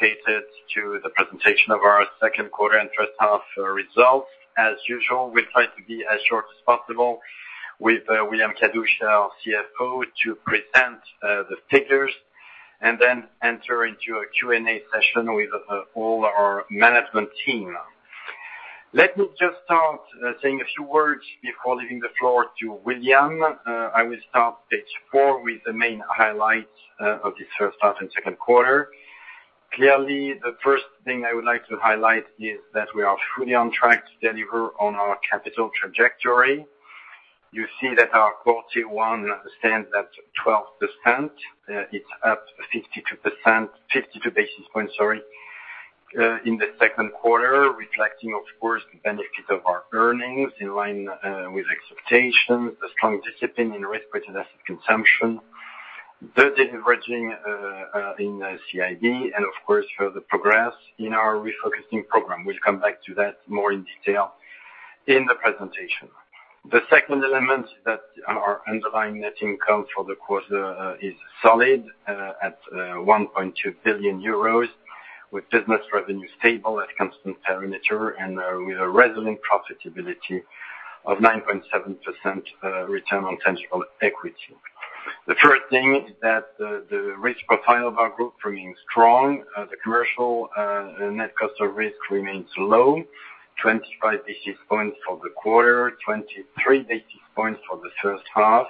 Related to the presentation of our second quarter and first half results. As usual, we'll try to be as short as possible with William Kadouch-Chassaing, our CFO, to present the figures, and then enter into a Q&A session with all our management team. Let me just start saying a few words before leaving the floor to William. I will start page four with the main highlights of the first half and second quarter. Clearly, the first thing I would like to highlight is that we are fully on track to deliver on our capital trajectory. You see that our Core Tier 1 stands at 12%. It's up 52 basis points in the second quarter, reflecting, of course, the benefit of our earnings in line with expectations, a strong discipline in risk-weighted asset consumption, the de-leveraging in CIB, and of course, further progress in our refocusing program. We'll come back to that more in detail in the presentation. The second element that our underlying net income for the quarter is solid at 1.2 billion euros, with business revenue stable at constant perimeter and with a resilient profitability of 9.7% return on tangible equity. The third thing is that the risk profile of our group remains strong. The commercial net cost of risk remains low, 25 basis points for the quarter, 23 basis points for the first half.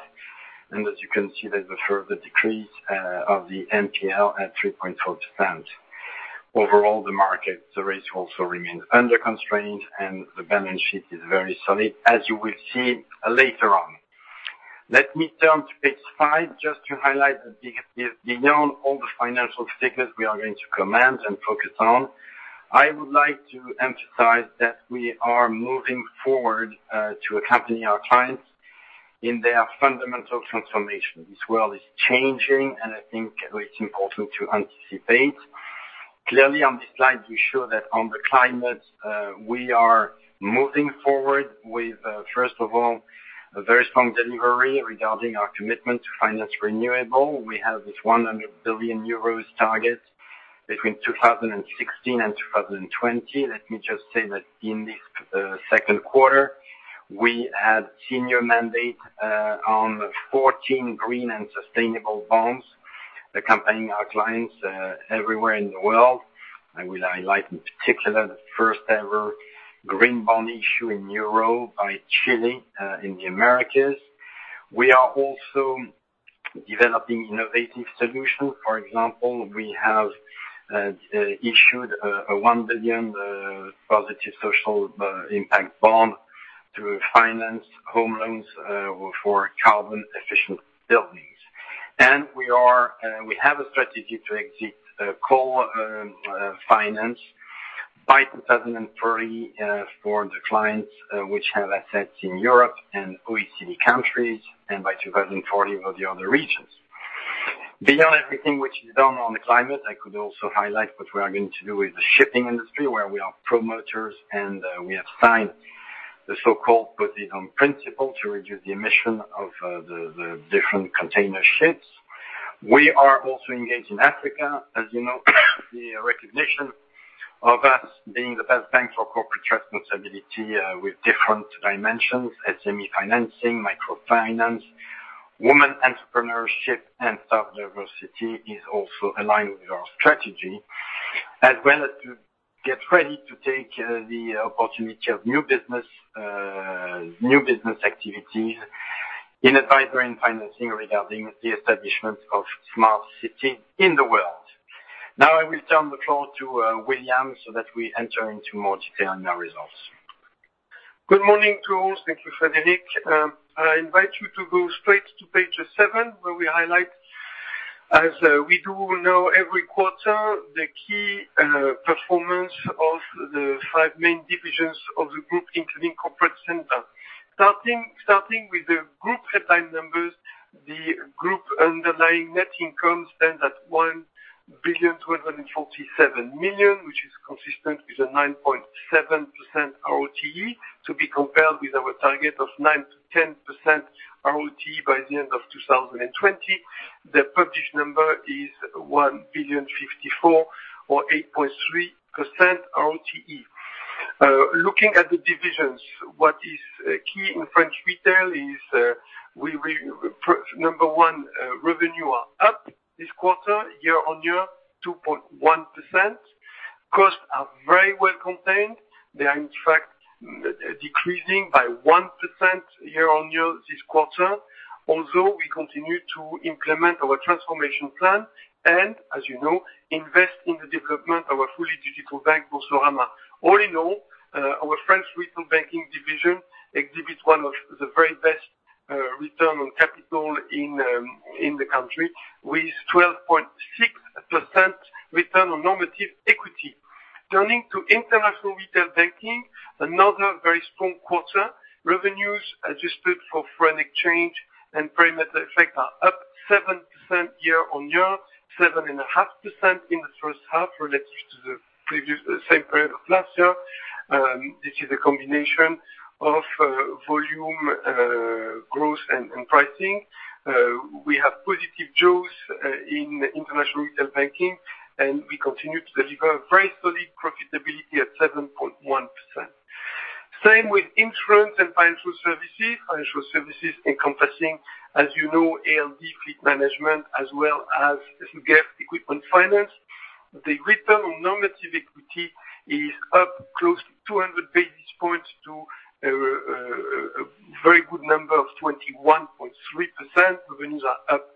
As you can see, there's a further decrease of the NPL at 3.4%. Overall, the market, the rates also remain under constraint, and the balance sheet is very solid as you will see later on. Let me turn to page five just to highlight that beyond all the financial figures we are going to comment and focus on, I would like to emphasize that we are moving forward to accompany our clients in their fundamental transformation. I think it's important to anticipate. Clearly, on this slide, we show that on the climate, we are moving forward with, first of all, a very strong delivery regarding our commitment to finance renewable. We have this 100 billion euros target between 2016 and 2020. Let me just say that in this second quarter, we had senior mandate on 14 green and sustainable bonds accompanying our clients everywhere in the world. I will highlight in particular, the first-ever green bond issue in euro by Chile in the Americas. We are also developing innovative solutions. For example, we have issued a 1 billion positive social impact bond to finance home loans for carbon-efficient buildings. We have a strategy to exit coal finance by 2030 for the clients which have assets in Europe and OECD countries, and by 2040 of the other regions. Beyond everything which is done on the climate, I could also highlight what we are going to do with the shipping industry, where we are promoters, and we have signed the so-called Poseidon Principles to reduce the emission of the different container ships. We are also engaged in Africa. As you know, the recognition of us being the best bank for corporate responsibility with different dimensions, SME financing, microfinance, women entrepreneurship, and staff diversity is also aligned with our strategy, as well as to get ready to take the opportunity of new business activities in advisory and financing regarding the establishment of smart cities in the world. Now, I will turn the floor to William so that we enter into more detail on our results. Good morning to all. Thank you, Frédéric. I invite you to go straight to page seven, where we highlight, as we do now every quarter, the key performance of the five main divisions of the group, including corporate center. Starting with the group headline numbers, the group underlying net income stands at 1,247 million, which is consistent with a 9.7% ROTE, to be compared with our target of 9%-10% ROTE by the end of 2020. The published number is 1,054 million or 8.3% ROTE. Looking at the divisions, what is key in French Retail Banking is, number one, revenue are up this quarter, year-on-year, 2.1%. Costs are very well contained. They are, in fact, decreasing by 1% year-on-year this quarter. Although we continue to implement our transformation plan and, as you know, invest in the development of our fully digital bank, Boursorama. All in all, our French Retail Banking division exhibits one of the very best return on capital in the country with 12.6% return on normative equity. Turning to International Retail Banking, another very strong quarter. Revenues adjusted for foreign exchange and perimeter effect are up 7% year-over-year, 7.5% in the first half relative to the same period of last year. This is a combination of volume growth and pricing. We have positive jaws in International Retail Banking, and we continue to deliver very solid profitability at 7.1%. Same with insurance and financial services. Financial services encompassing, as you know, ALD fleet management as well as SG Equipment Finance. The return on normative equity is up close to 200 basis points to a very good number of 21.3%. Revenues are up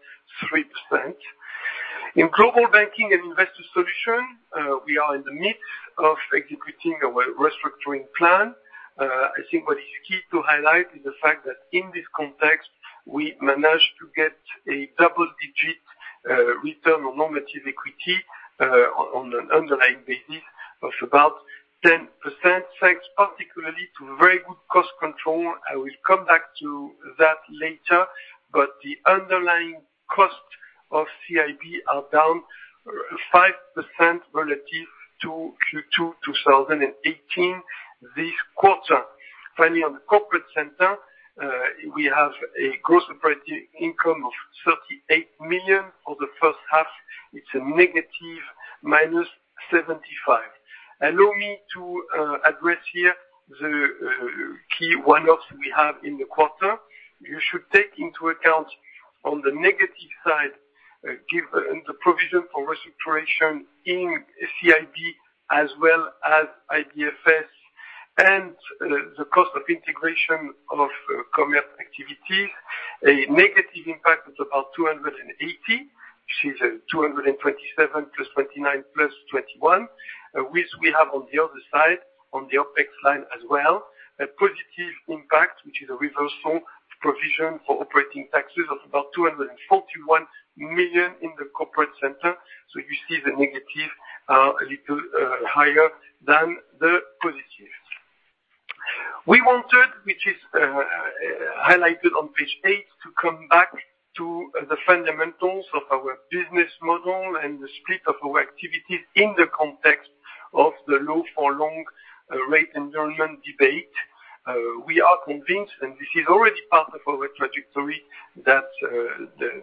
3%. In Global Banking and Investor Solutions, we are in the midst of executing a restructuring plan. I think what is key to highlight is the fact that in this context, we managed to get a double-digit return on normative equity, on an underlying basis of about 10%, thanks particularly to very good cost control. I will come back to that later. The underlying cost of CIB are down 5% relative to Q2 2018 this quarter. Finally, on the corporate center, we have a gross operating income of 38 million. For the first half, it's a negative minus 75. Allow me to address here the key one-offs we have in the quarter. You should take into account on the negative side, given the provision for restructuring in CIB as well as IBFS and the cost of integration of Commerzbank activities, a negative impact of about 280, which is 227 plus 29 plus 21, which we have on the other side, on the OpEx line as well, a positive impact, which is a reversal provision for operating taxes of about 241 million in the corporate center. You see the negatives are a little higher than the positives. We wanted, which is highlighted on page eight, to come back to the fundamentals of our business model and the split of our activities in the context of the low-for-long rate environment debate. We are convinced, and this is already part of our trajectory, that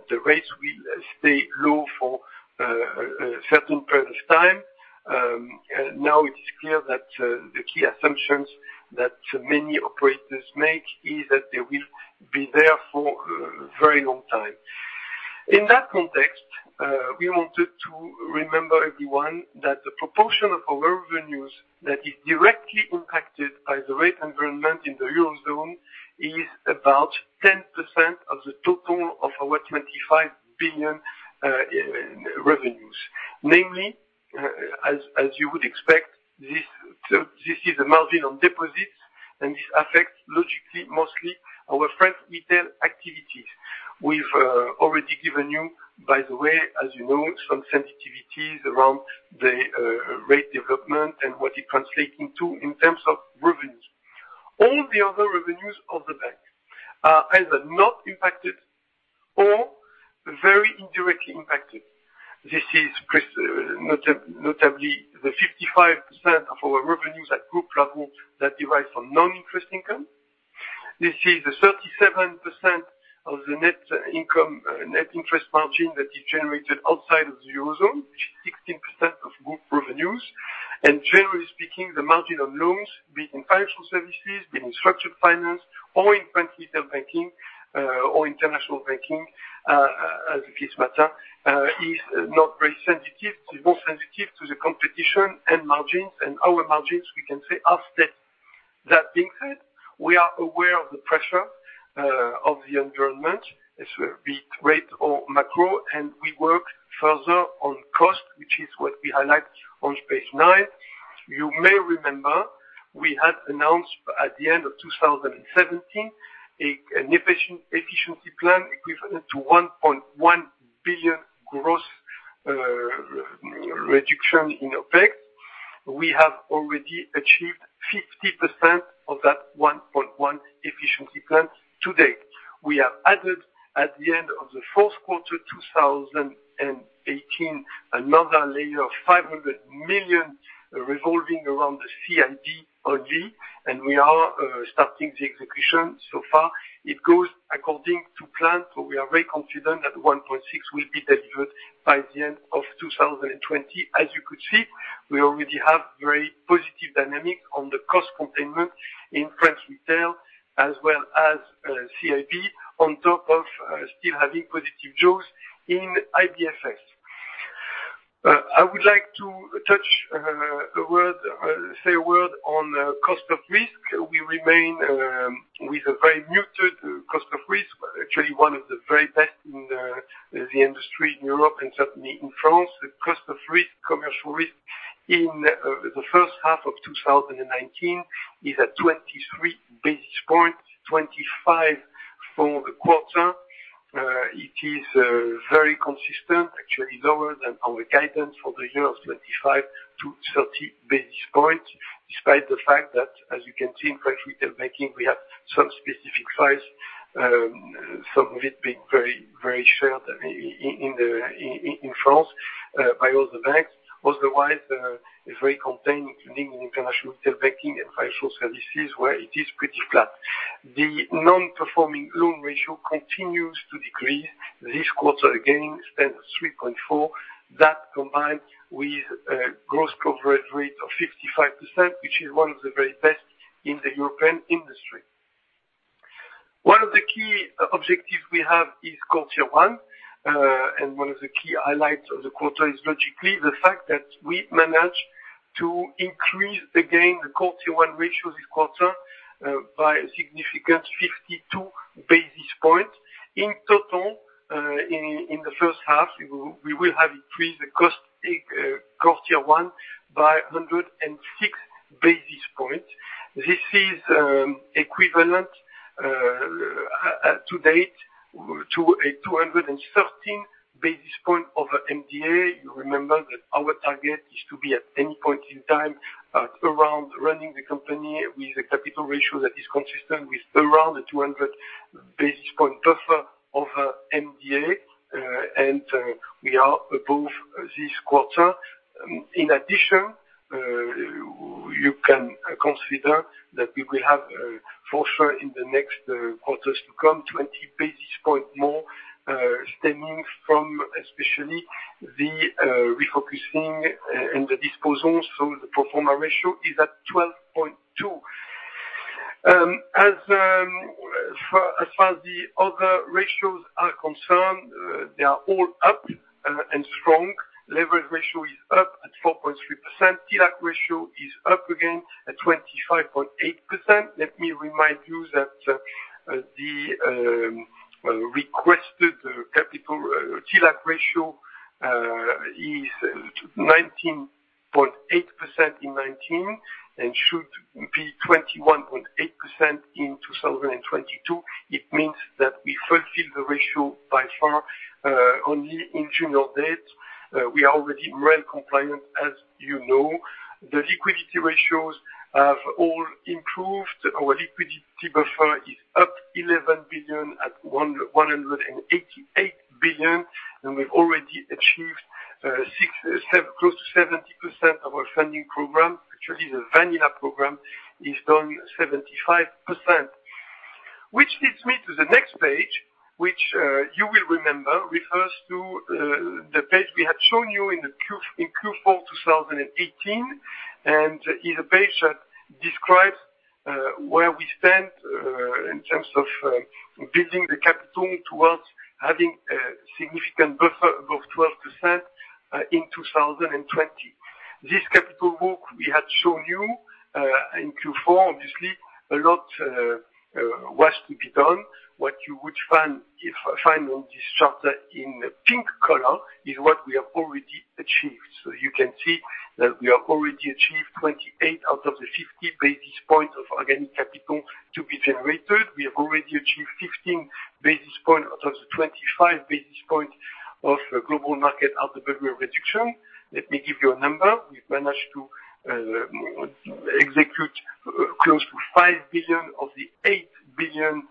the rates will stay low for a certain period of time. It is clear that the key assumptions that many operators make is that they will be there for a very long time. In that context, we wanted to remember everyone that the proportion of our revenues that is directly impacted by the rate environment in the Eurozone is about 10% of the total of our 25 billion in revenues. Namely, as you would expect, this is a margin on deposits. This affects, logically, mostly our French Retail activities. We've already given you, by the way, as you know, some sensitivities around the rate development and what it translates into in terms of revenues. All the other revenues of the bank are either not impacted or very indirectly impacted. This is notably the 55% of our revenues at group level that derives from non-interest income. This is the 37% of the net income, net interest margin that is generated outside of the Eurozone, which is 16% of group revenues. Generally speaking, the margin on loans, be it in financial services, be it in structured finance or in French Retail Banking or International Banking, as the case may be, is not very sensitive. It's more sensitive to the competition and margins, and our margins, we can say, are steady. That being said, we are aware of the pressure of the environment, be it rate or macro, and we work further on cost, which is what we highlight on page nine. You may remember we had announced at the end of 2017 an efficiency plan equivalent to 1.1 billion gross reduction in OpEx. We have already achieved 50% of that 1.1 billion efficiency plan to date. We have added at the end of the fourth quarter 2018, another layer of 500 million revolving around the CIB OG. We are starting the execution. So far it goes according to plan, we are very confident that 1.6 billion will be delivered by the end of 2020. As you could see, we already have very positive dynamics on the cost containment in French Retail as well as CIB, on top of still having positive jaws in IBFS. I would like to say a word on cost of risk. We remain with a very muted cost of risk, actually one of the very best in the industry in Europe and certainly in France. The cost of risk, commercial risk in the first half of 2019 is at 23 basis points, 25 basis points for the quarter. It is very consistent, actually lower than our guidance for the year of 25 to 30 basis points, despite the fact that, as you can see in French Retail Banking, we have some specific files. Some of it being very shared in France by all the banks. Otherwise, it's very contained, including in International Retail Banking and financial services, where it is pretty flat. The non-performing loan ratio continues to decrease this quarter, again, stands at 3.4. That, combined with a gross coverage rate of 55%, which is one of the very best in the European industry. One of the key objectives we have is quarter one, and one of the key highlights of the quarter is logically the fact that we managed to increase, again, the quarter one ratio this quarter by a significant 52 basis points. In total, in the first half, we will have increased the quarter one by 106 basis points. This is equivalent to date to a 213 basis point over MDA. You remember that our target is to be at any point in time at around running the company with a capital ratio that is consistent with around a 200 basis point buffer over MDA. We are above this quarter. In addition, you can consider that we will have for sure in the next quarters to come, 20 basis point more, stemming from especially the refocusing and the disposals. The pro forma ratio is at 12.2%. As far as the other ratios are concerned, they are all up and strong. Leverage ratio is up at 4.3%. TLAC ratio is up again at 25.8%. Let me remind you that the requested capital TLAC ratio is 19.8% in 2019 and should be 21.8% in 2022. It means that we fulfill the ratio by far. Only in June of date, we are already well compliant, as you know. The liquidity ratios have all improved. Our liquidity buffer is up 11 billion at 188 billion, and we've already achieved close to 70% of our funding program, actually, the vanilla program is done 75%. Which leads me to the next page, which you will remember refers to the page we had shown you in Q4 2018, and is a page that describes where we stand in terms of building the capital towards having a significant buffer above 12% in 2020. This capital book we had shown you in Q4, obviously, a lot was to be done. What you would find on this chart in pink color is what we have already achieved. You can see that we have already achieved 28 basis points out of the 50 basis points of organic capital to be generated. We have already achieved 15 basis point out of the 25 basis point of global market RWA reduction. Let me give you a number. We've managed to execute close to 5 billion of the 8 billion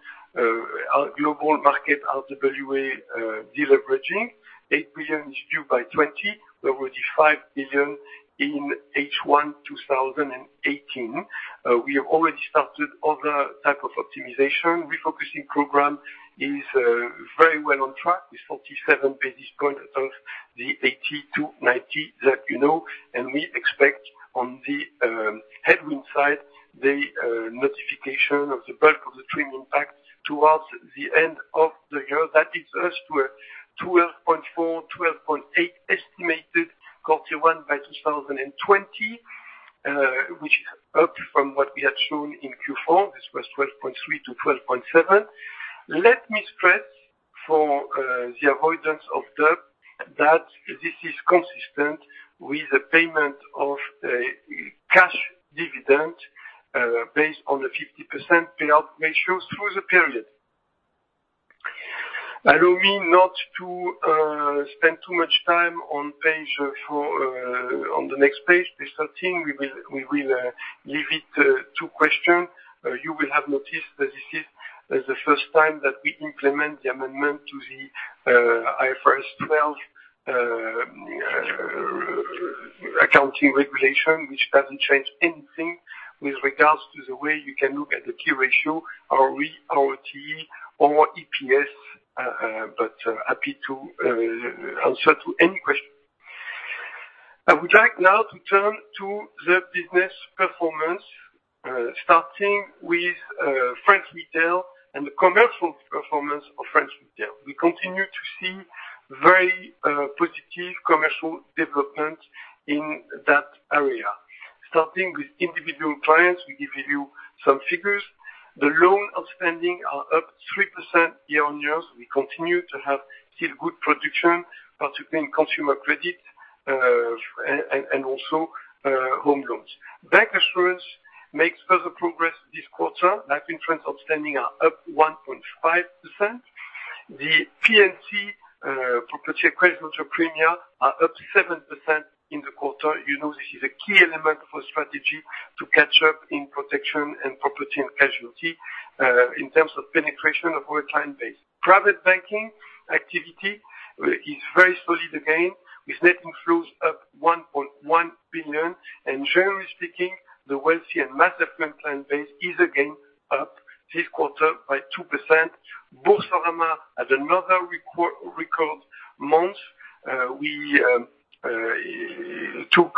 global market RWA deleveraging. 8 billion is due by 2020, we're already 5 billion in H1 2018. We have already started other type of optimization. Refocusing program is very well on track with 47 basis point out of the 80 to 90 that you know, and we expect on the headwind side, the notification of the bulk of the treatment pack towards the end of the year. That leads us to a 12.4, 12.8 estimated quarter one by 2020, which is up from what we had shown in Q4. This was 12.3 to 12.7. Let me stress for the avoidance of doubt that this is consistent with the payment of the cash dividend based on a 50% payout ratio through the period. Allow me not to spend too much time on the next page 13. We will leave it to question. You will have noticed that this is the first time that we implement the amendment to the IFRS 12 accounting regulation, which doesn't change anything with regards to the way you can look at the key ratio, ROE, ROTE or EPS. Happy to answer to any question. I would like now to turn to the business performance, starting with French retail and the commercial performance of French retail. We continue to see very positive commercial development in that area. Starting with individual clients, we give you some figures. The loan outstanding are up 3% year-over-year, as we continue to have still good production, particularly in consumer credit, and also home loans. Bank assurance makes further progress this quarter. Life insurance outstanding are up 1.5%. The P&C, property and casualty premiums, are up 7% in the quarter. You know this is a key element of our strategy to catch up in protection and property and casualty in terms of penetration of our client base. Private Banking activity is very solid again, with net inflows up 1.1 billion, and generally speaking, the wealthy and mass affluent client base is again up this quarter by 2%. Boursorama had another record month. We took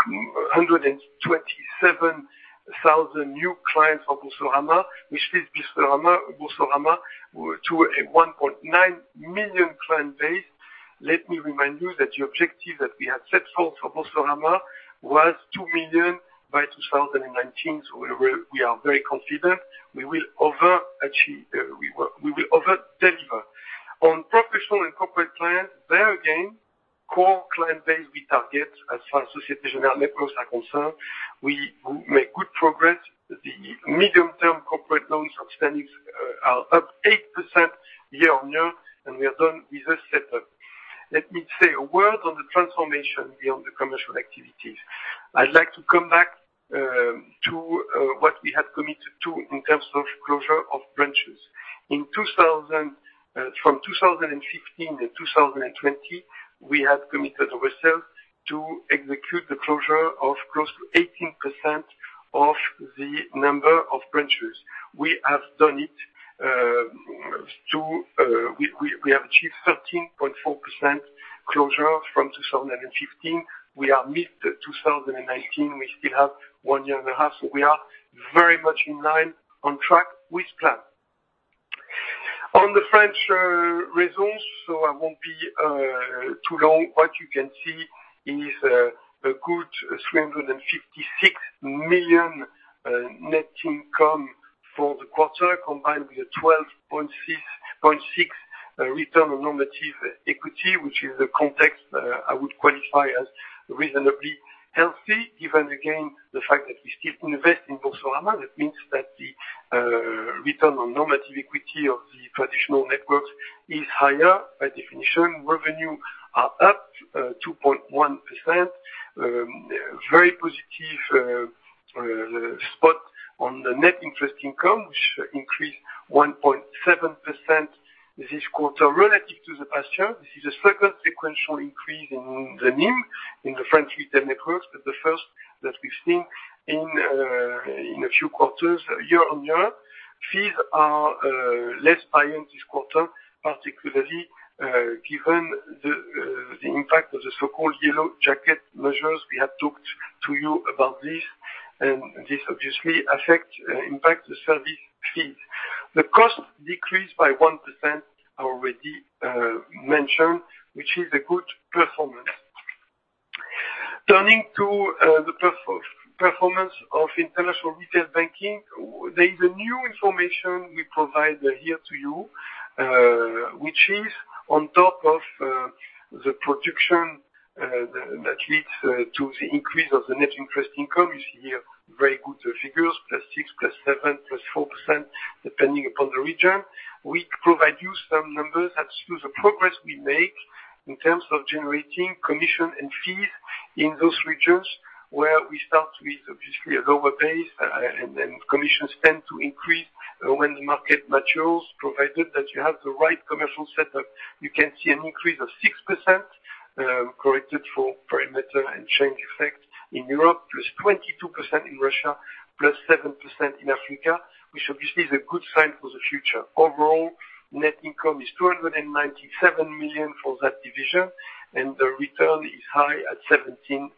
127,000 new clients for Boursorama, which brings Boursorama to a 1.9 million client base. Let me remind you that the objective that we had set forth for Boursorama was 2 million by 2019, so we are very confident we will over-deliver. On professional and corporate clients, there again, core client base we target as far as Société Générale networks are concerned, we make good progress. The medium-term corporate loans outstanding are up 8% year-on-year, and we are done with the set-up. Let me say a word on the transformation beyond the commercial activities. I'd like to come back to what we have committed to in terms of closure of branches. From 2015 to 2020, we have committed ourselves to execute the closure of close to 18% of the number of branches. We have done it. We have achieved 13.4% closure from 2015. We are mid-2019. We still have one year and a half, so we are very much in line, on track with plan. On the French results, I won't be too long. What you can see is a good 356 million net income for the quarter, combined with a 12.6% return on normative equity, which is a context I would qualify as reasonably healthy, given, again, the fact that we still invest in Boursorama. That means that the return on normative equity of the traditional networks is higher by definition. Revenue are up 2.1%. Very positive spot on the net interest income, which increased 1.7% this quarter relative to the past year. This is the second sequential increase in the NIM in the French retail networks, the first that we've seen in a few quarters year-on-year. Fees are less high in this quarter, particularly given the impact of the so-called Yellow Vest measures. We have talked to you about this obviously impact the service fees. The cost decreased by 1%, I already mentioned, which is a good performance. Turning to the performance of International Retail Banking, there is a new information we provide here to you, which is on top of the production that leads to the increase of the net interest income. You see here very good figures, +6%, +7%, +4%, depending upon the region. We provide you some numbers as to the progress we make in terms of generating commission and fees in those regions where we start with, obviously, a lower base, and then commissions tend to increase when the market matures, provided that you have the right commercial set-up. You can see an increase of 6%, corrected for perimeter and change effect in Europe, +22% in Russia, +7% in Africa, which obviously is a good sign for the future. Overall, net income is 297 million for that division, and the return is high at 17.1%.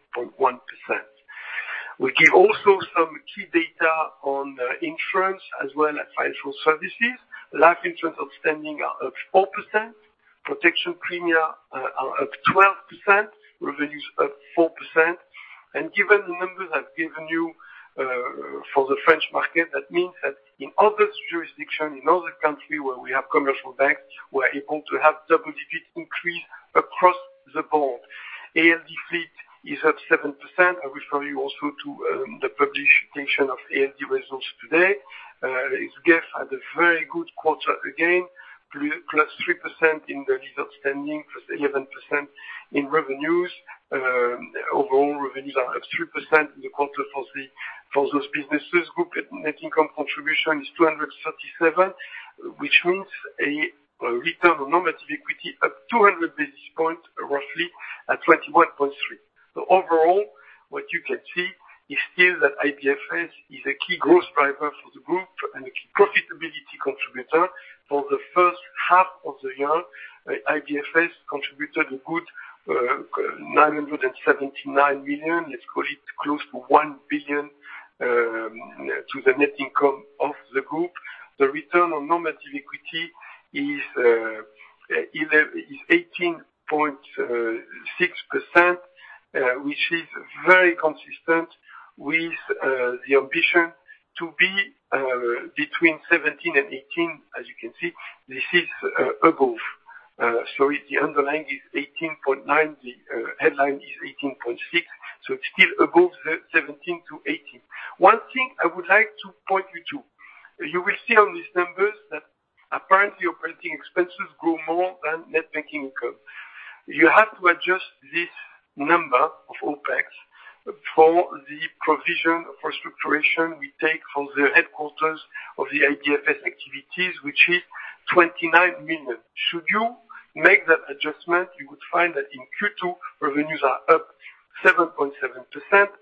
We give also some key data on insurance as well as financial services. Life insurance outstanding are up 4%, protection premia are up 12%, revenues up 4%, and given the numbers I've given you for the French market, that means that in other jurisdictions, in other countries where we have commercial banks, we're able to have double-digit increase across the board. ALD fleet is up 7%. I refer you also to the publication of ALD results today. Its GEFF had a very good quarter again, plus 3% in the lease outstanding, plus 11% in revenues. Overall, revenues are up 3% in the quarter for those businesses. Group net income contribution is 237, which means a return on normative equity up 200 basis points, roughly, at 21.3%. Overall, what you can see is still that IBFS is a key growth driver for the group and a key profitability contributor. For the first half of the year, IBFS contributed a good 979 million. Let's call it close to 1 billion to the net income of the group. The return on normative equity is 18.6%, which is very consistent with the ambition to be between 17% and 18%. As you can see, this is above. Sorry, the underlying is 18.9%, the headline is 18.6%, it's still above 17% to 18%. One thing I would like to point you to, you will see on these numbers that apparently operating expenses grow more than net banking income. You have to adjust this number of OpEx for the provision for structuration we take from the headquarters of the IBFS activities, which is 29 million. Should you make that adjustment, you would find that in Q2, revenues are up 7.7%,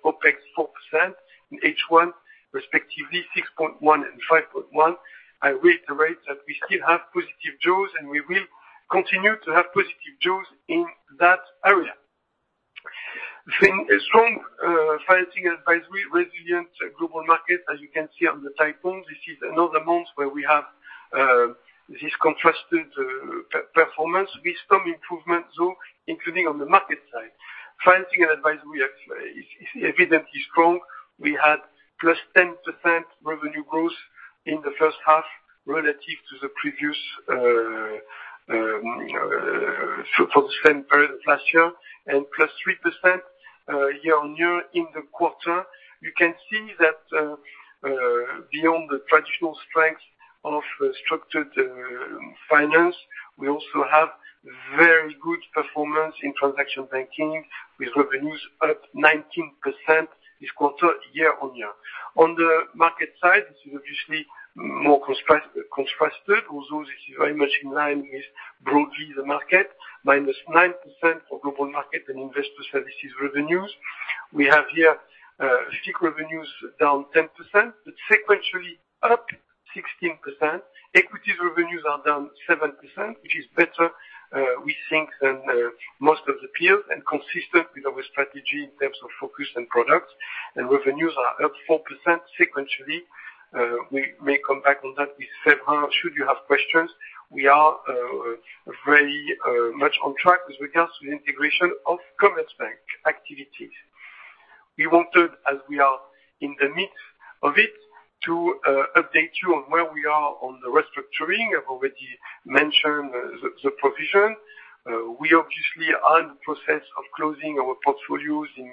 OpEx 4%, in H1, respectively, 6.1% and 5.1%. I reiterate that we still have positive jaws, and we will continue to have positive jaws in that area. A strong financing advisory, resilient global market, as you can see on the type form, this is another month where we have this contrasted performance with some improvement, including on the market side. Financing and advisory is evidently strong. We had +10% revenue growth in the first half relative to the previous for the same period last year, and +3% year-on-year in the quarter. You can see that beyond the traditional strength of structured finance, we also have very good performance in transaction banking, with revenues up 19% this quarter, year-on-year. On the market side, this is obviously more contrasted. This is very much in line with broadly the market, -9% for Global Market and Investor Services revenues. We have here FICC revenues -10%, sequentially +16%. Equities revenues are -7%, which is better, we think, than most of the peers and consistent with our strategy in terms of focus and products, revenues are +4% sequentially. We may come back on that with Séverin should you have questions. We are very much on track as regards to the integration of Commerzbank activities. We wanted, as we are in the midst of it, to update you on where we are on the restructuring. I've already mentioned the provision. We obviously are in the process of closing our portfolios in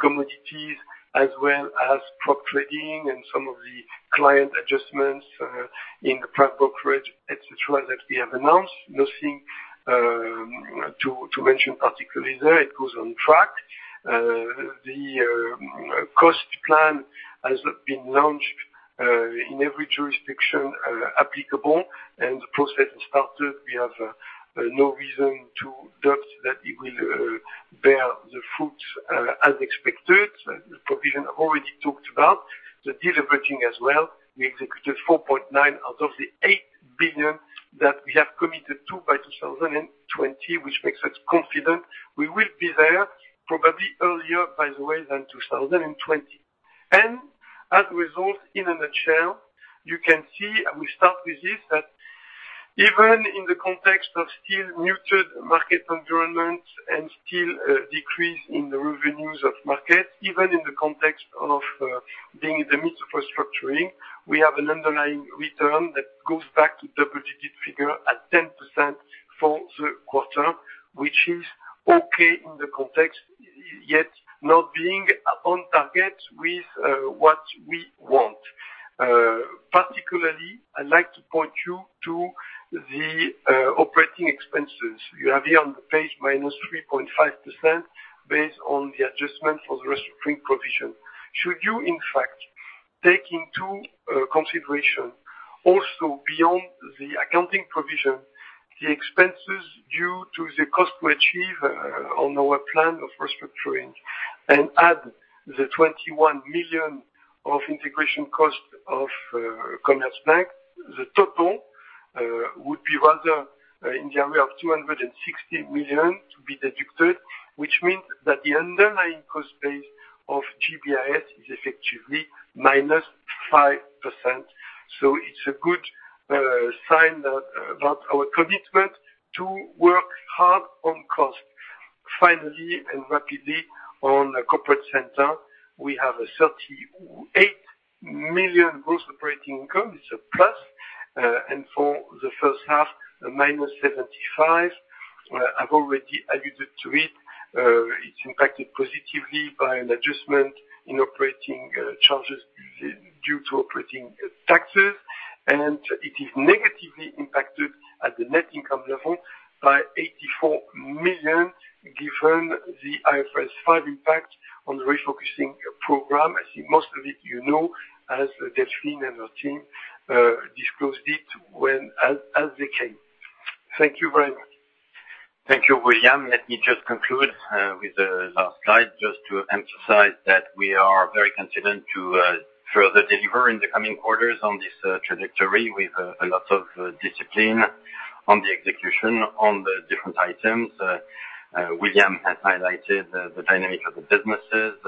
commodities as well as prop trading and some of the client adjustments in the private brokerage, et cetera, that we have announced. Nothing to mention particularly there. It goes on track. The cost plan has been launched in every jurisdiction applicable, and the process has started. We have no reason to doubt that it will bear the fruits as expected. The provision I already talked about. The deleveraging as well. We executed 4.9 billion out of the 8 billion that we have committed to by 2020, which makes us confident we will be there probably earlier, by the way, than 2020. As a result, in a nutshell, you can see, and we start with this, that even in the context of still muted market environment and still a decrease in the revenues of markets, even in the context of being in the midst of restructuring, we have an underlying return that goes back to double-digit figure at 10% for the quarter, which is okay in the context, yet not being on target with what we want. Particularly, I'd like to point you to the operating expenses. You have here on the page -3.5% based on the adjustment for the restructuring provision. Should you, in fact, take into consideration also beyond the accounting provision, the expenses due to the cost to achieve on our plan of restructuring and add the 21 million of integration cost of Commerzbank, the total would be rather in the area of 260 million to be deducted, which means that the underlying cost base of GBIS is effectively -5%. It's a good sign about our commitment to work hard on cost. Finally, and rapidly on the corporate center, we have a 38 million gross operating income. It's a plus. For the first half, a minus 75 million. I've already alluded to it. It's impacted positively by an adjustment in operating charges due to operating taxes, and it is negatively impacted at the net income level by 84 million, given the IFRS five impact on the refocusing program. I think most of it you know, as Delphine and her team disclosed it as they came. Thank you very much. Thank you, William. Let me just conclude with the last slide, just to emphasize that we are very confident to further deliver in the coming quarters on this trajectory with a lot of discipline on the execution on the different items. William has highlighted the dynamic of the businesses.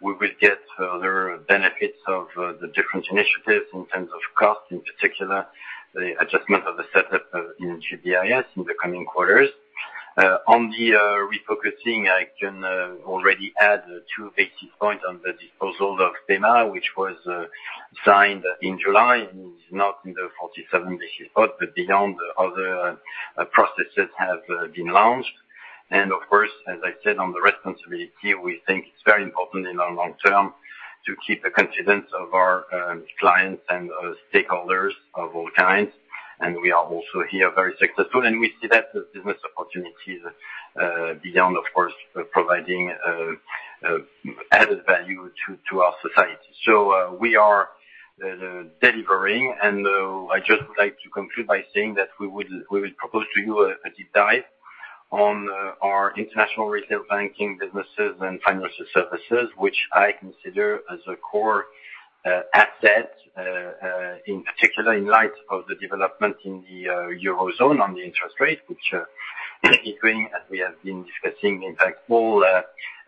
We will get other benefits of the different initiatives in terms of cost, in particular, the adjustment of the setup in GBIS in the coming quarters. On the refocusing, I can already add two basis points on the disposal of Théma, which was signed in July. It is not in the 47 basis points, beyond, other processes have been launched. Of course, as I said on the responsibility, we think it's very important in our long term to keep the confidence of our clients and our stakeholders of all kinds. We are also here very successful, and we see that the business opportunities beyond, of course, providing added value to our society. We are delivering, and I just would like to conclude by saying that we will propose to you a deep dive on our International Retail Banking businesses and financial services, which I consider as a core asset, in particular, in light of the development in the Eurozone on the interest rate, which is doing as we have been discussing. All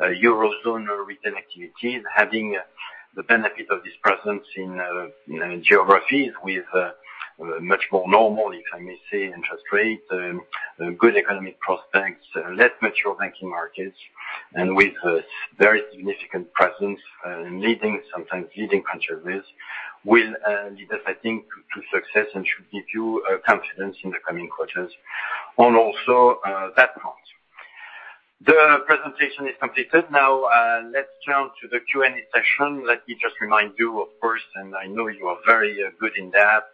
Eurozone retail activities having the benefit of this presence in geographies with much more normal, if I may say, interest rates, good economic prospects, less mature banking markets, and with a very significant presence, sometimes leading country risk, will lead us, I think, to success and should give you confidence in the coming quarters on also that front. The presentation is completed. Now, let's turn to the Q&A session. Let me just remind you, of course, and I know you are very good in that,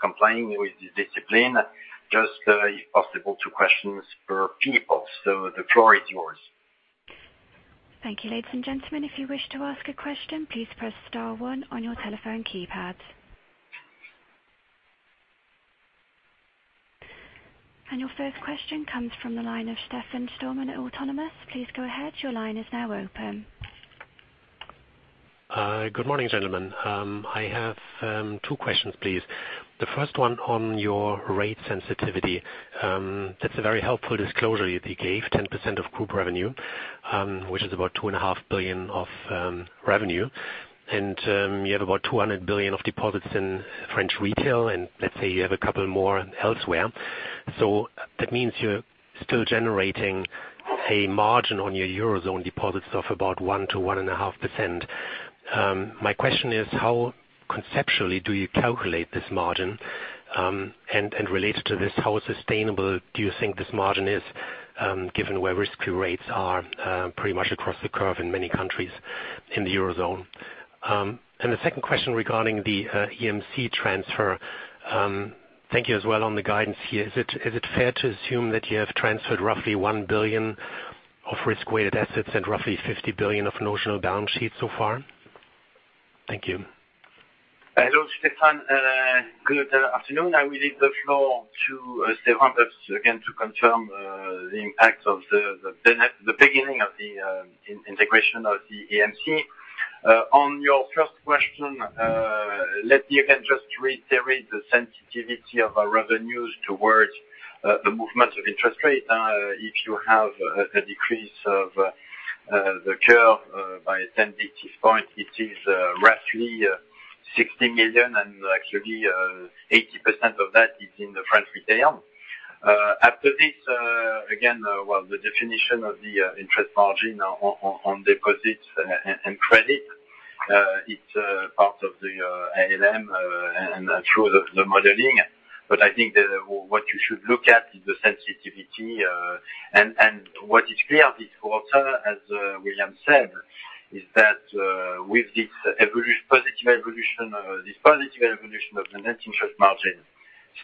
complying with the discipline, just if possible, two questions per people. The floor is yours. Thank you, ladies and gentlemen. If you wish to ask a question, please press star one on your telephone keypad. Your first question comes from the line of Stefan Stalmann at Autonomous. Please go ahead. Your line is now open. Good morning, gentlemen. I have two questions, please. The first one on your rate sensitivity. That's a very helpful disclosure that you gave, 10% of group revenue, which is about 2.5 billion of revenue. You have about 200 billion of deposits in French Retail, and let's say you have a couple more elsewhere. That means you're still generating a margin on your Eurozone deposits of about 1% to 1.5%. My question is, how conceptually do you calculate this margin? Related to this, how sustainable do you think this margin is, given where risk rates are pretty much across the curve in many countries in the Eurozone? The second question regarding the EMC transfer. Thank you as well on the guidance here. Is it fair to assume that you have transferred roughly 1 billion of risk-weighted assets and roughly 50 billion of notional balance sheets so far? Thank you. Hello, Stefan. Good afternoon. I will leave the floor to Stéphane again to confirm the impact of the beginning of the integration of the EMC. On your first question, let me again just reiterate the sensitivity of our revenues towards the movements of interest rates. If you have a decrease of the curve by 10 basis point, it is roughly 60 million, and actually 80% of that is in the French retail. After this, again, well, the definition of the interest margin on deposits and credit, it's part of the ALM and through the modeling. I think that what you should look at is the sensitivity. What is clear this quarter, as William said, is that with this positive evolution of the net interest margin,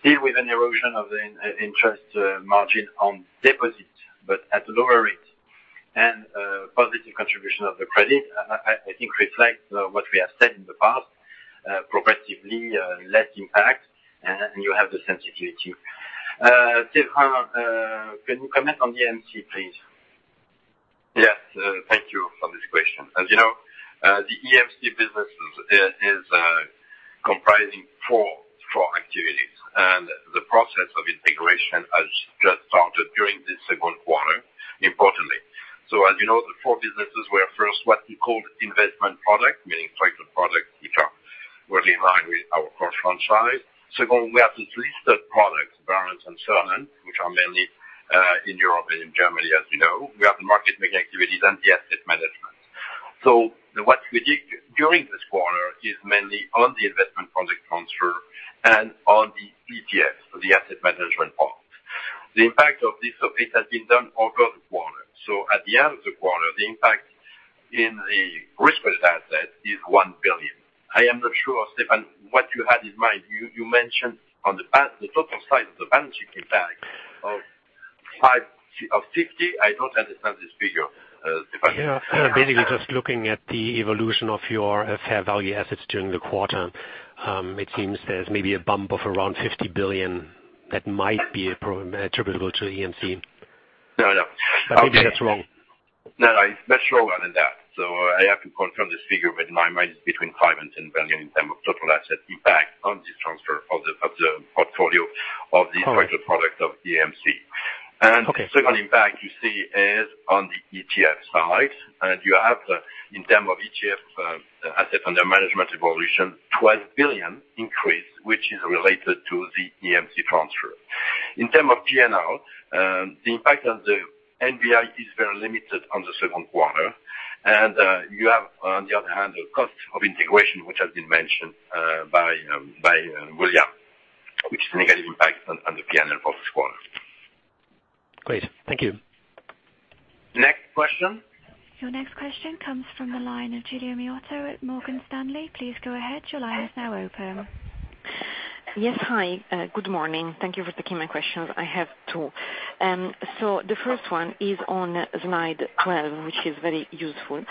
still with an erosion of the interest margin on deposits, but at lower rates, and positive contribution of the credit, I think reflects what we have said in the past, progressively less impact, and you have the sensitivity. Stéphane, can you comment on the EMC, please? Yes. Thank you for this question. As you know, the EMC business is comprising four activities, and the process of integration has just started during this second quarter, importantly. As you know, the four businesses were first what we called investment product, meaning structured products, which are really in line with our core franchise. Second, we have these listed products, warrants and certificates, which are mainly in Europe and in Germany, as you know. We have the market-making activities and the asset management. What we did during this quarter is mainly on the investment product transfer and on the ETFs for the asset management part. The impact of this, it has been done over the quarter. At the end of the quarter, the impact in the risk-weighted asset is 1 billion. I am not sure, Stefan, what you had in mind. You mentioned on the total size of the balance sheet impact of 50. I don't understand this figure, Stefan. Yeah. Basically just looking at the evolution of your fair value assets during the quarter. It seems there's maybe a bump of around 50 billion that might be attributable to EMC. No. Maybe that's wrong. No, it's much lower than that. I have to confirm this figure, but my mind is between 5 billion and 10 billion in terms of total asset impact on this transfer of the portfolio of the structured product of EMC. All right. Okay. Second impact you see is on the ETF side, and you have in terms of ETF asset under management evolution, 12 billion increase, which is related to the EMC transfer. In terms of P&L, the impact on the NBI is very limited on the second quarter, and you have, on the other hand, the cost of integration which has been mentioned. Negative impact on the P&L of this quarter. Great. Thank you. Next question. Your next question comes from the line of Giulia Miotto at Morgan Stanley. Please go ahead. Your line is now open. Yes. Hi. Good morning. Thank you for taking my questions. I have two. The first one is on slide 12, which is very useful.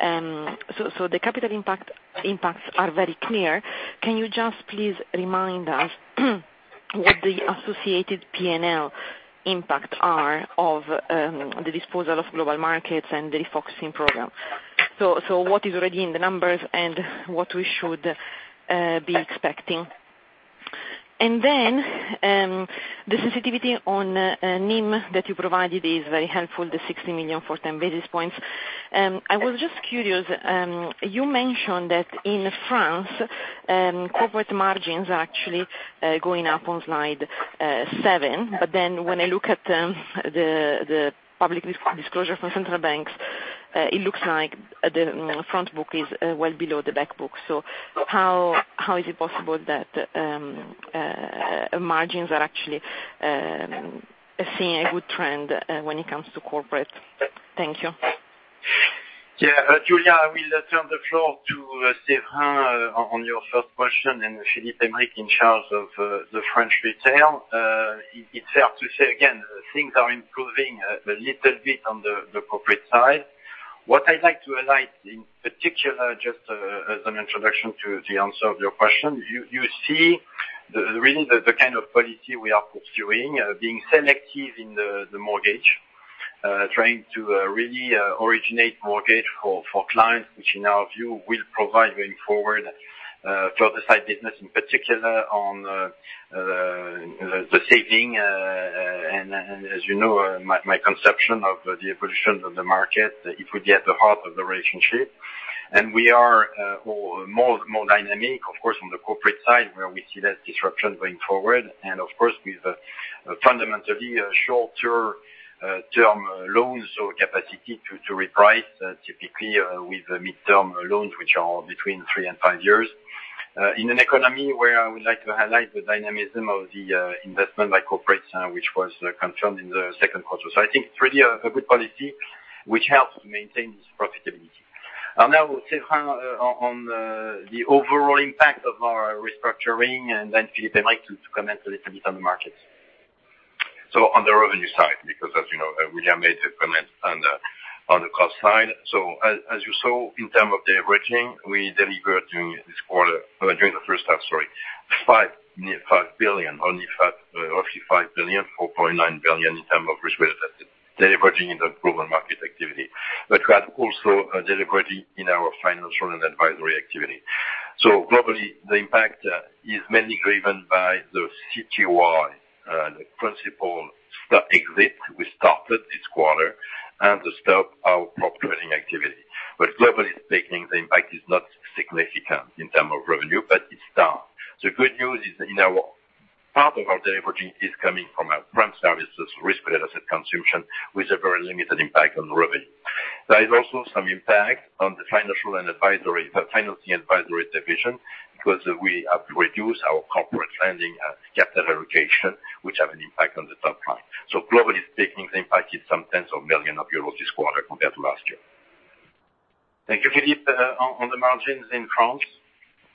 The capital impacts are very clear. Can you just please remind us what the associated P&L impact are of the disposal of global markets and the refocusing program? What is already in the numbers and what we should be expecting? The sensitivity on NIM that you provided is very helpful, the 60 million for 10 basis points. I was just curious, you mentioned that in France, corporate margins are actually going up on slide seven, when I look at the public disclosure from central banks, it looks like the front book is well below the back book. How is it possible that margins are actually seeing a good trend when it comes to corporate? Thank you. Giulia, I will turn the floor to Stéphane on your first question, and Philippe, in charge of the French Retail. It's fair to say, again, things are improving a little bit on the corporate side. What I'd like to highlight in particular, just as an introduction to the answer of your question, you see really the kind of policy we are pursuing, being selective in the mortgage, trying to really originate mortgage for clients, which in our view will provide going forward to other side business, in particular on the saving. As you know, my conception of the evolution of the market, it would be at the heart of the relationship. We are more dynamic, of course, on the corporate side, where we see less disruption going forward. Of course, with fundamentally a shorter term loans or capacity to reprice, typically, with midterm loans, which are between three and five years, in an economy where I would like to highlight the dynamism of the investment by corporates, which was confirmed in the second quarter. I think it's really a good policy, which helps to maintain this profitability. Now, Stéphane on the overall impact of our restructuring, and then Philippe to comment a little bit on the markets. On the revenue side, because as you know, William made a comment on the cost side. As you saw in term of the averaging, we delivered during this quarter, during the first half, sorry, nearly 5 billion. Roughly 5 billion, 4.9 billion in term of risk-weighted assets, delivering in the global market activity. We had also a delivery in our financial and advisory activity. Globally, the impact is mainly driven by the CTY, the principal stock exit we started this quarter, and the stop our prop trading activity. Globally speaking, the impact is not significant in term of revenue, but it's down. The good news is in our part of our delivery is coming from our front services, risk-related asset consumption, with a very limited impact on revenue. There is also some impact on the financial and advisory, the financing advisory division, because we have reduced our corporate lending and capital allocation, which have an impact on the top line. Globally speaking, the impact is some tens of million EUR this quarter compared to last year. Thank you. Philippe, on the margins in France.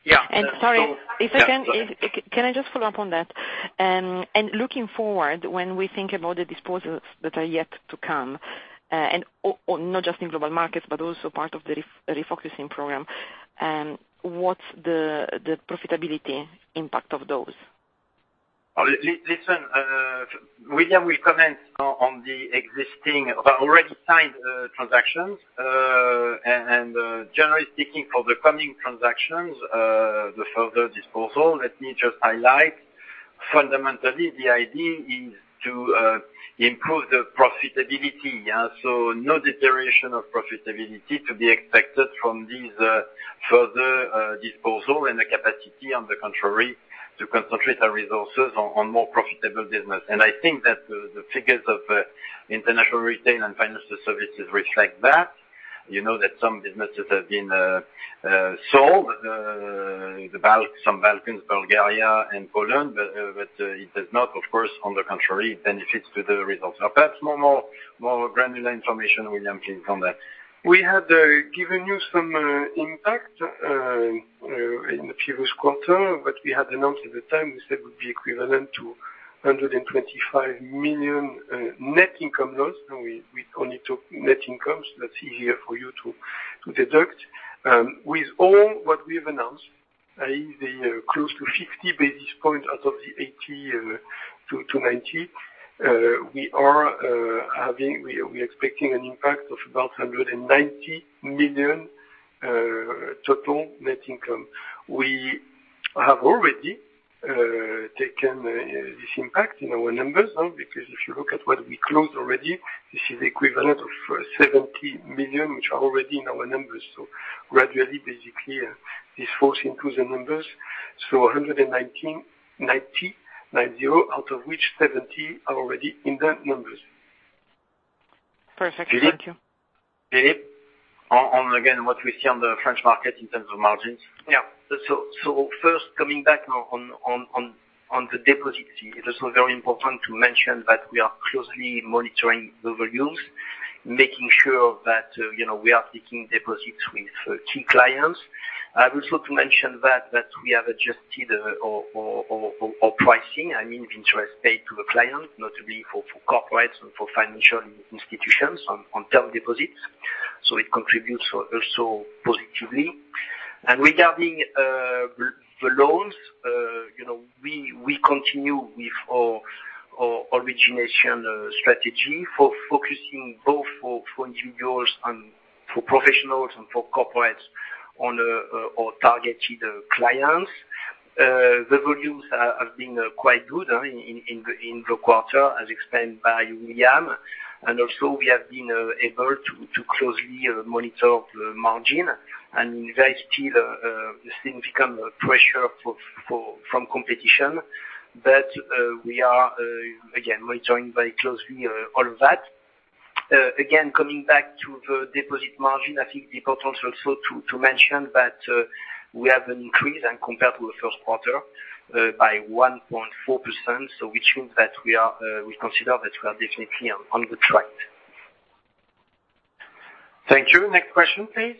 Yeah. And sorry, if I can- Yeah. Go ahead. Can I just follow up on that? Looking forward, when we think about the disposals that are yet to come, not just in global markets, but also part of the refocusing program, what's the profitability impact of those? Listen, William will comment on the existing, already signed transactions. Generally speaking for the coming transactions, the further disposal, let me just highlight, fundamentally, the idea is to improve the profitability. No deterioration of profitability to be expected from these further disposal and the capacity, on the contrary, to concentrate our resources on more profitable business. I think that the figures of International Retail Banking and Financial Services reflect that. You know that some businesses have been sold, some Balkans, Bulgaria, and Poland, it does not, of course, on the contrary, benefits to the results. Perhaps more granular information William can comment. We had given you some impact in the previous quarter, what we had announced at the time, we said would be equivalent to 125 million net income loss. We only took net income, so that's easier for you to deduct. With all what we have announced, i.e., the close to 50 basis points out of the 80 to 90, we're expecting an impact of about 190 million total net income. We have already taken this impact in our numbers, because if you look at what we closed already, this is equivalent of 70 million, which are already in our numbers. Gradually, basically, this falls into the numbers. 190, out of which 70 are already in the numbers. Perfect. Thank you. Philippe? On, again, what we see on the French market in terms of margins. Yeah. First, coming back now on the deposits, it is also very important to mention that we are closely monitoring the volumes, making sure that we are taking deposits with key clients. Also to mention that we have adjusted our pricing, I mean, interest paid to the client, notably for corporates and for financial institutions on term deposits. It contributes also positively. Regarding the loans, we continue with our origination strategy for focusing both for individuals and for professionals and for corporates on our targeted clients. The volumes have been quite good in the quarter, as explained by William. Also we have been able to closely monitor the margin and there is still a significant pressure from competition. We are, again, monitoring very closely all of that. Again, coming back to the deposit margin, I think the importance also to mention that we have an increase compared to the first quarter by 1.4%, which means that we consider that we are definitely on the right track. Thank you. Next question, please.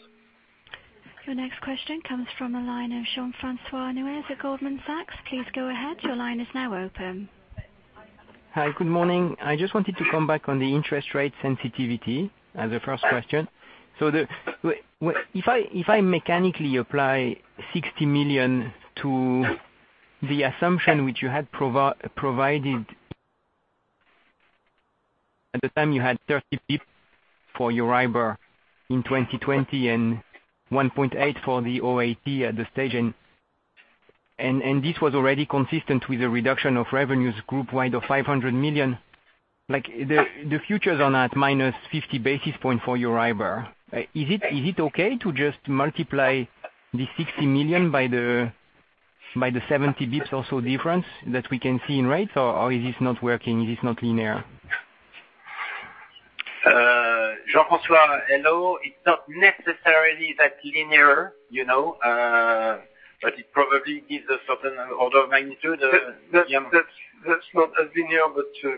Your next question comes from the line of Jean-François Neuez at Goldman Sachs. Please go ahead. Your line is now open. Hi. Good morning. I just wanted to come back on the interest rate sensitivity as a first question. If I mechanically apply 60 million to the assumption which you had provided at the time you had 30 basis points for your IBOR in 2020 and 1.8 for the OAT at the stage, this was already consistent with the reduction of revenues group wide of 500 million. The futures are now at minus 50 basis points for your IBOR. Is it okay to just multiply the 60 million by the 70 basis points or so difference that we can see in rates, or is this not working, is this not linear? Jean-François, hello. It's not necessarily that linear. It probably gives a certain order of magnitude. William? That's not as linear,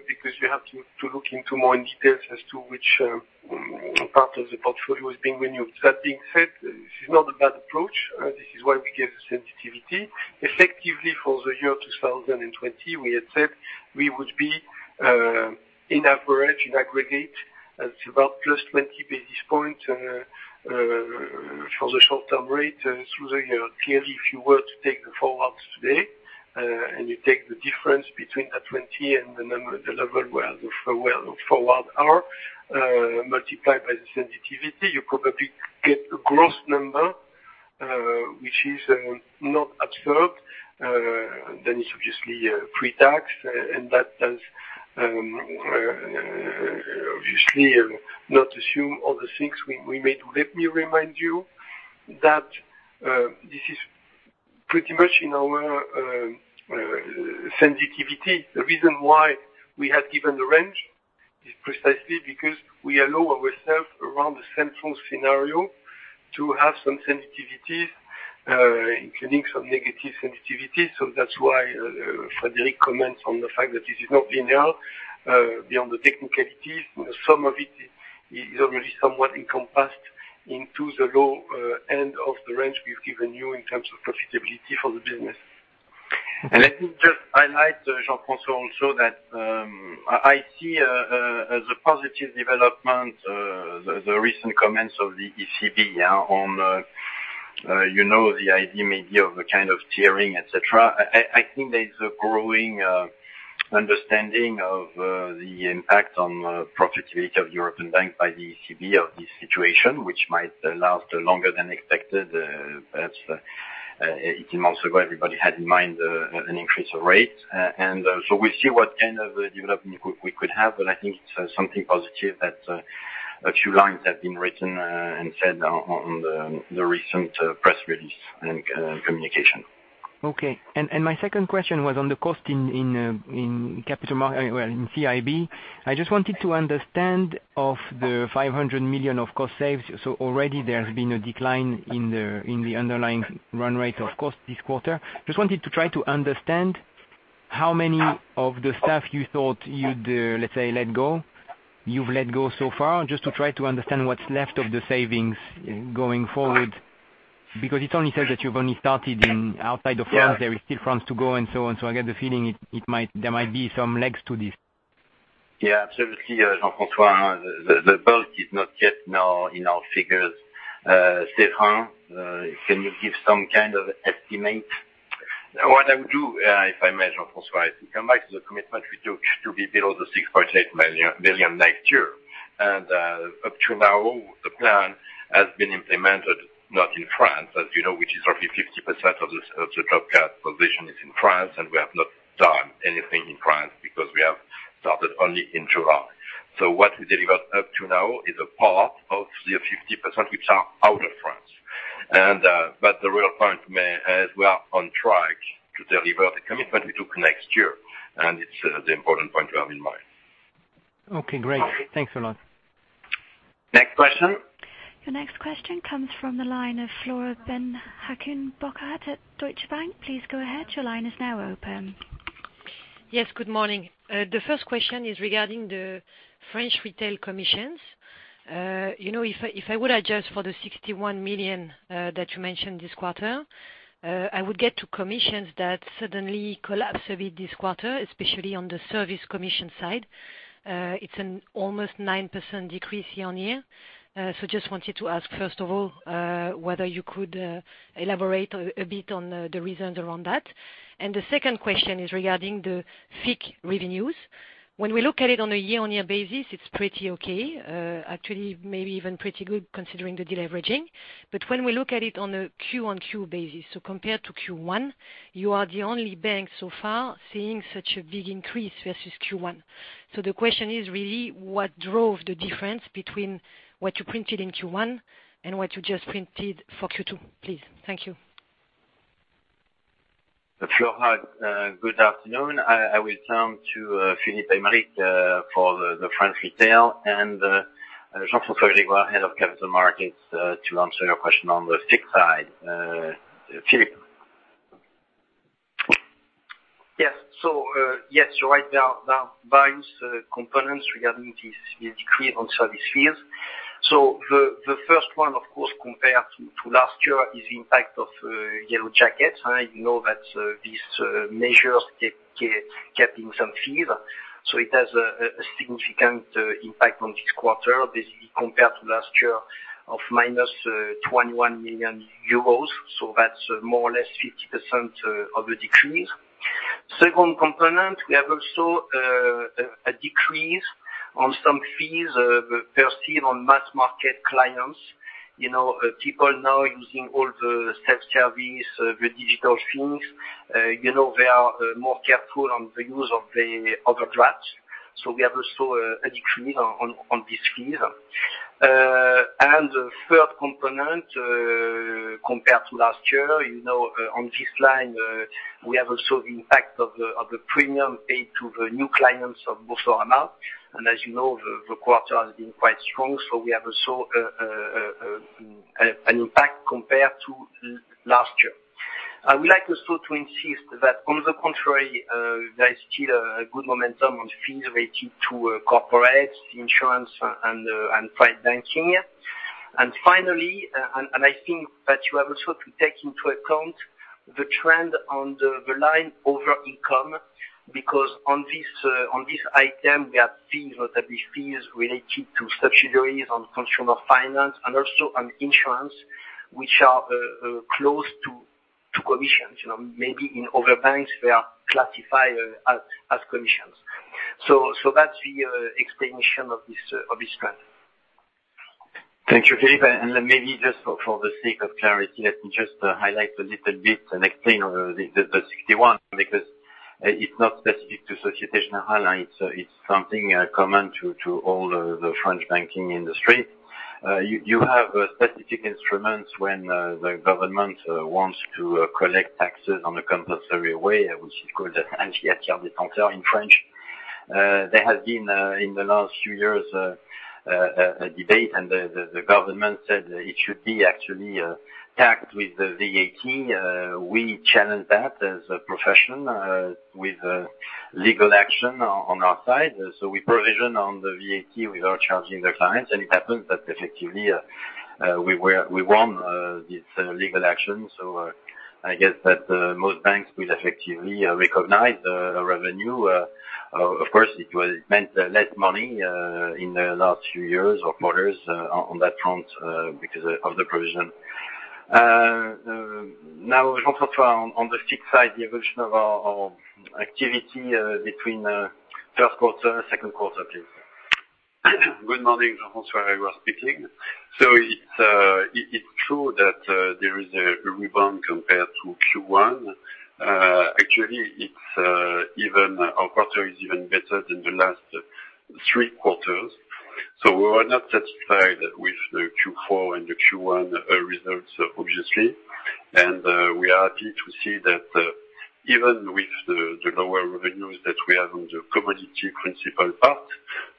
because you have to look into more in details as to which part of the portfolio is being renewed. That being said, this is not a bad approach. This is why we gave the sensitivity. Effectively for the year 2020, we had said we would be in average, in aggregate, it's about +20 basis points for the short-term rate through the year. Clearly, if you were to take the forwards today, and you take the difference between the 20 and the level where the forwards are, multiplied by the sensitivity, you probably get a gross number, which is not absurd. It's obviously pre-tax. That does obviously not assume other things we made. Let me remind you that this is pretty much in our sensitivity. The reason why we had given the range is precisely because we allow ourself around the central scenario to have some sensitivities, including some negative sensitivities. That's why Frédéric comments on the fact that this is not linear. Beyond the technicalities, some of it is already somewhat encompassed into the low end of the range we've given you in terms of profitability for the business. Let me just highlight, Jean-François, also that I see as a positive development the recent comments of the ECB on the idea maybe of a kind of tiering, et cetera. I think there is a growing understanding of the impact on profitability of European banks by the ECB of this situation, which might last longer than expected. Perhaps 18 months ago, everybody had in mind an increase of rate. We'll see what kind of development we could have, but I think it's something positive that a few lines have been written and said on the recent press release and communication. Okay. My second question was on the cost in CIB. I just wanted to understand of the 500 million of cost saves. Already there has been a decline in the underlying run rate of cost this quarter. Just wanted to try to understand how many of the staff you thought you'd, let's say, let go, you've let go so far, just to try to understand what's left of the savings going forward, because it's only said that you've only started in outside of France. There is still France to go and so on. I get the feeling there might be some legs to this. Yeah. Absolutely, Jean-François. The bulk is not yet in our figures. Stéphane, can you give some kind of estimate? What I would do, if I may, Jean-François, to come back to the commitment we took to be below 6.8 million next year. Up to now, the plan has been implemented, not in France, as you know, which is roughly 50% of the CET1 position is in France, and we have not done anything in France because we have started only in July. What we delivered up to now is a part of the 50% which are out of France. The real point is we are on track to deliver the commitment we took next year, and it's the important point to have in mind. Okay, great. Thanks a lot. Next question. Your next question comes from the line of Flora Bocahut at Deutsche Bank. Please go ahead. Your line is now open. Yes, good morning. The first question is regarding the French Retail commissions. If I would adjust for the 61 million that you mentioned this quarter, I would get to commissions that suddenly collapse a bit this quarter, especially on the service commission side. It's an almost 9% decrease year-on-year. Just wanted to ask, first of all, whether you could elaborate a bit on the reasons around that. The second question is regarding the FICC revenues. When we look at it on a year-on-year basis, it's pretty okay. Actually, maybe even pretty good considering the deleveraging. When we look at it on a Q-on-Q basis, compared to Q1, you are the only bank so far seeing such a big increase versus Q1. The question is really what drove the difference between what you printed in Q1 and what you just printed for Q2, please? Thank you. Flora, good afternoon. I will turn to Philippe Aymerich for the French retail and Jean-François Grégoire, Head of Global Markets, to answer your question on the FICC side. Philippe. Yes. Yes, you're right, there are various components regarding this decrease on service fees. The first one, of course, compared to last year is the impact of Yellow Vests. You know that these measures get kept in some fee. It has a significant impact on this quarter, basically compared to last year of minus 21 million euros. That's more or less 50% of the decrease. Second component, we have also a decrease on some fees perceived on mass market clients. People now using all the self-service, the digital things, are more careful on the use of the overdraft. We have also a decrease on these fees. The third component, compared to last year, on this line, we have also the impact of the premium paid to the new clients of Boursorama, and as you know, the quarter has been quite strong, so we have also an impact compared to last year. I would like also to insist that on the contrary, there is still a good momentum on fees related to corporate insurance and private banking. Finally, and I think that you have also to take into account the trend on the line over income, because on this item, we have fees, notably fees related to subsidiaries on consumer finance and also on insurance, which are close to commissions. Maybe in other banks, they are classified as commissions. That's the explanation of this trend. Thank you, Philippe. Maybe just for the sake of clarity, let me just highlight a little bit and explain the 61, because it's not specific to Société Générale. It's something common to all the French banking industry. You have specific instruments when the government wants to collect taxes on a compulsory way, which is called anti in French. There has been, in the last few years, a debate. The government said it should be actually taxed with the VAT. We challenged that as a profession with a legal action on our side. We provision on the VAT without charging the clients. It happens that effectively, we won this legal action. I guess that most banks will effectively recognize the revenue. Of course, it meant less money in the last few years or quarters on that front because of the provision. Now, Jean-François, on the FICC side, the evolution of our activity between first quarter and second quarter, please. Good morning, Jean-François Grégoire speaking. It's true that there is a rebound compared to Q1. Actually, our quarter is even better than the last three quarters. We were not satisfied with the Q4 and the Q1 results, obviously. We are happy to see that even with the lower revenues that we have on the commodity principal part,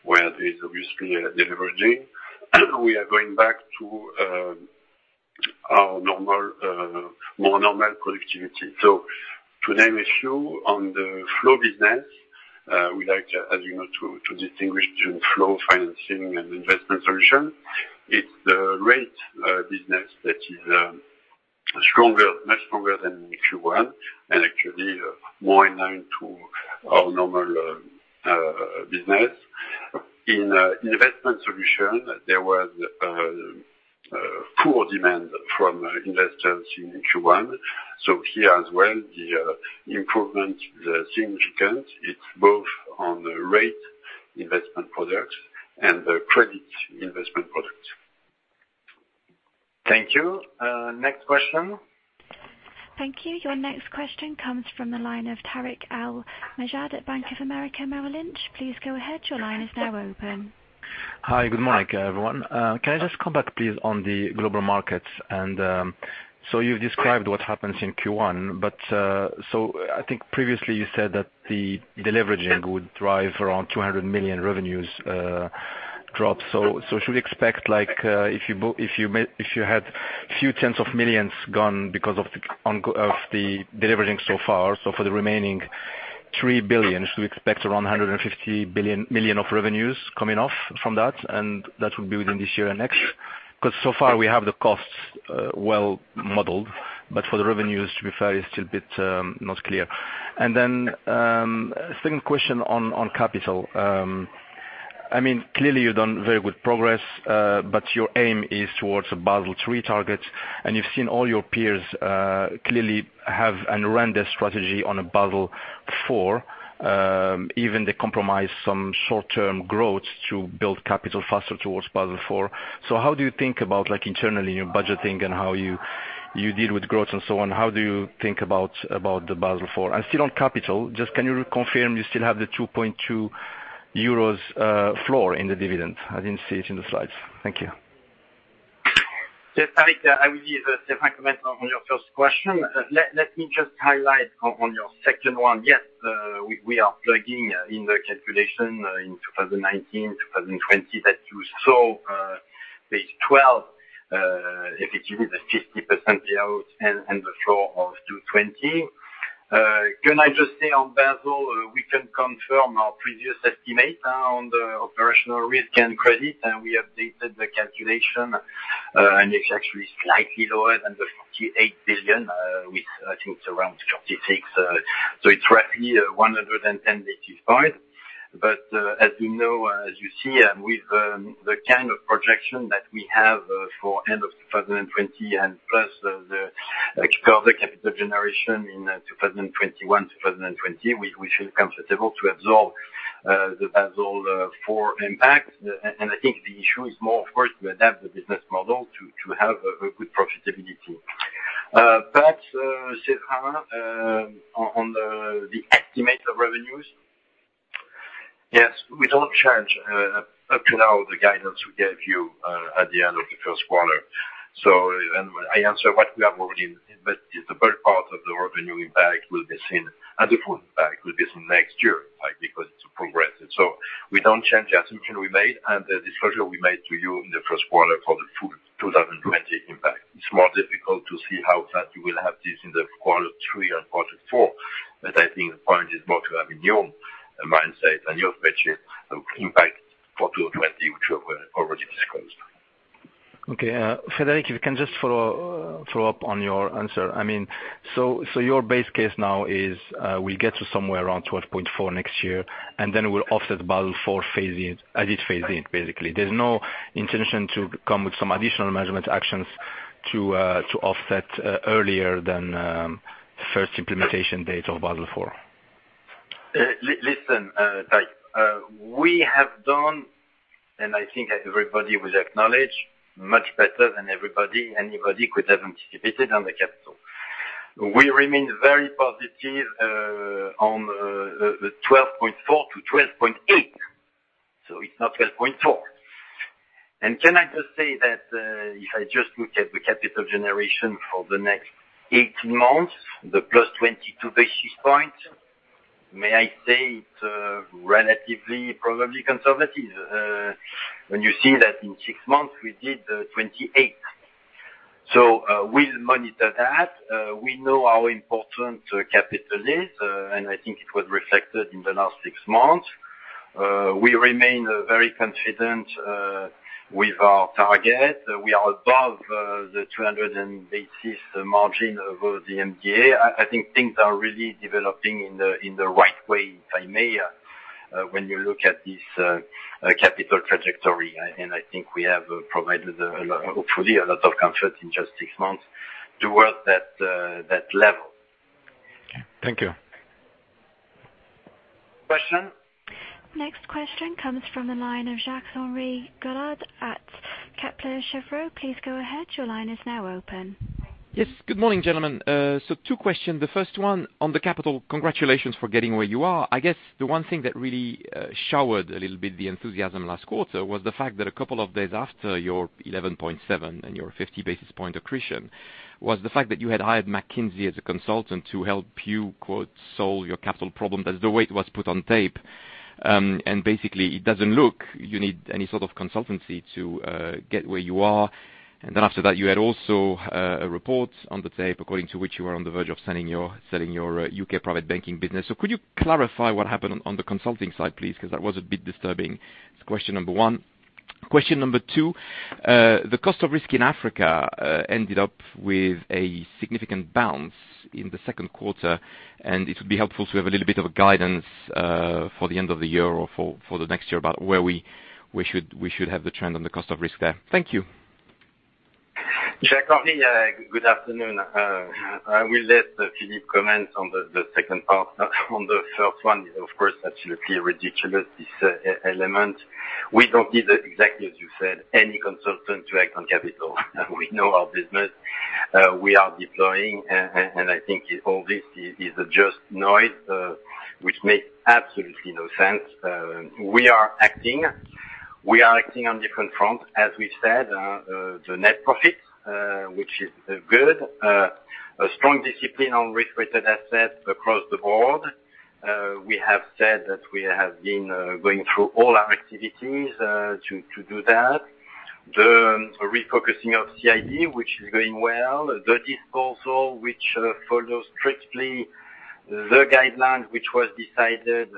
where there is obviously a deleveraging, we are going back to our more normal productivity. To name a few, on the flow business, we like to distinguish between flow financing and investment solution. It's the rate business that is much stronger than in Q1 and actually more in line to our normal business. In investment solution, there was poor demand from investors in Q1, so here as well, the improvement is significant. It's both on the rate investment product and the credit investment product. Thank you. Next question. Thank you. Your next question comes from the line of Tarik El Mejjad at Bank of America Merrill Lynch. Please go ahead. Your line is now open. Hi. Good morning, everyone. Can I just come back, please, on the Global Markets? You've described what happens in Q1, I think previously you said that the deleveraging would drive around 200 million revenues drop. Should we expect if you had a few tens of millions gone because of the deleveraging so far, for the remaining 3 billion, should we expect around 150 million of revenues coming off from that? That would be within this year and next? So far we have the costs well modeled, for the revenues, to be fair, it's still a bit not clear. Second question on capital. Clearly you've done very good progress. Your aim is towards a Basel III target. You've seen all your peers clearly have and run their strategy on a Basel IV, even they compromise some short-term growth to build capital faster towards Basel IV. How do you think about internally, your budgeting how you deal with growth and so on. How do you think about the Basel IV? Still on capital, just can you reconfirm you still have the 2.2 euros floor in the dividend? I didn't see it in the slides. Thank you. Yes, Tarik, I will give a different comment on your first question. Let me just highlight on your second one. Yes, we are plugging in the calculation in 2019, 2020, that you saw page 12, effectively the 50% payout and the floor of 2.20. Can I just say on Basel, we can confirm our previous estimate on the operational risk and credit, and we updated the calculation, and it's actually slightly lower than the 48 billion, I think it's around 46. It's roughly 110 basis points. As you know, as you see with the kind of projection that we have for end of 2020 and plus the capital generation in 2021, 2020, we feel comfortable to absorb the Basel IV impact. I think the issue is more, of course, to adapt the business model to have a good profitability. Stéphane, on the estimate of revenues. Yes. We don't change, up to now, the guidance we gave you, at the end of the first quarter. I answer what we have already, but the first part of the revenue impact will be seen, and the full impact will be seen next year, because it's progressive. We don't change the assumption we made and the disclosure we made to you in the first quarter for the full 2020 impact. It's more difficult to see how fast you will have this in the quarter three and quarter four. I think the point is more to have in your mindset and your budget impact for 2020, which we have already disclosed. Okay. Frédéric, if you can just follow up on your answer. Your base case now is, we get to somewhere around 12.4% next year, we'll offset Basel IV as it phases in, basically. There's no intention to come with some additional management actions to offset earlier than first implementation date of Basel IV. Listen, Tarik. We have done, and I think everybody will acknowledge, much better than anybody could have anticipated on the capital. We remain very positive on the 12.4%-12.8%, so it's not 12.4%. Can I just say that, if I just look at the capital generation for the next 18 months, the +22 basis points, may I say it's relatively, probably conservative, when you see that in six months we did 28 basis points. We'll monitor that. We know how important capital is, I think it was reflected in the last six months. We remain very confident with our target. We are above the 200 basis points margin over the MDA. I think things are really developing in the right way, if I may, when you look at this capital trajectory. I think we have provided, hopefully, a lot of comfort in just six months towards that level. Okay. Thank you. Question. Next question comes from the line of Jacques-Henri Gaulard at Kepler Cheuvreux. Please go ahead. Your line is now open. Yes. Good morning, gentlemen. Two questions. The first one on the capital, congratulations for getting where you are. I guess the one thing that really showered a little bit the enthusiasm last quarter was the fact that a couple of days after your 11.7% and your 50 basis point accretion, was the fact that you had hired McKinsey as a consultant to help you, quote, solve your capital problem, that's the way it was put on tape. Basically it doesn't look you need any sort of consultancy to get where you are. After that, you had also a report on the tape according to which you are on the verge of selling your U.K. private banking business. Could you clarify what happened on the consulting side, please, because that was a bit disturbing. That's question number one. Question number two, the cost of risk in Africa ended up with a significant bounce in the second quarter. It would be helpful to have a little bit of a guidance for the end of the year or for the next year about where we should have the trend on the cost of risk there. Thank you. Jacques-Henri, good afternoon. I will let Philippe comment on the second part. On the first one, of course, absolutely ridiculous, this element. We don't need, exactly as you said, any consultant to act on capital. We know our business. We are deploying, and I think all this is just noise, which makes absolutely no sense. We are acting. We are acting on different fronts. As we said, the net profit, which is good. A strong discipline on risk-weighted assets across the board. We have said that we have been going through all our activities to do that. The refocusing of CIB, which is going well, the disposal, which follows strictly the guidelines, which was decided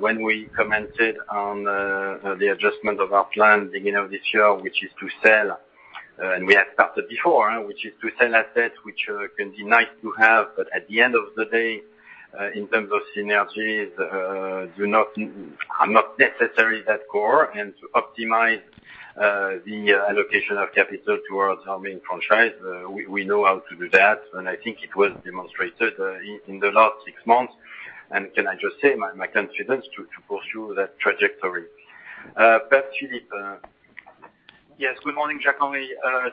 when we commented on the adjustment of our plan beginning of this year, which is to sell. We have started before, which is to sell assets, which can be nice to have, but at the end of the day, in terms of synergies, are not necessary that core, and to optimize the allocation of capital towards our main franchise. We know how to do that, and I think it was demonstrated in the last six months. Can I just say my confidence to pursue that trajectory. Back to Philippe. Yes. Good morning, Jacques-Henri.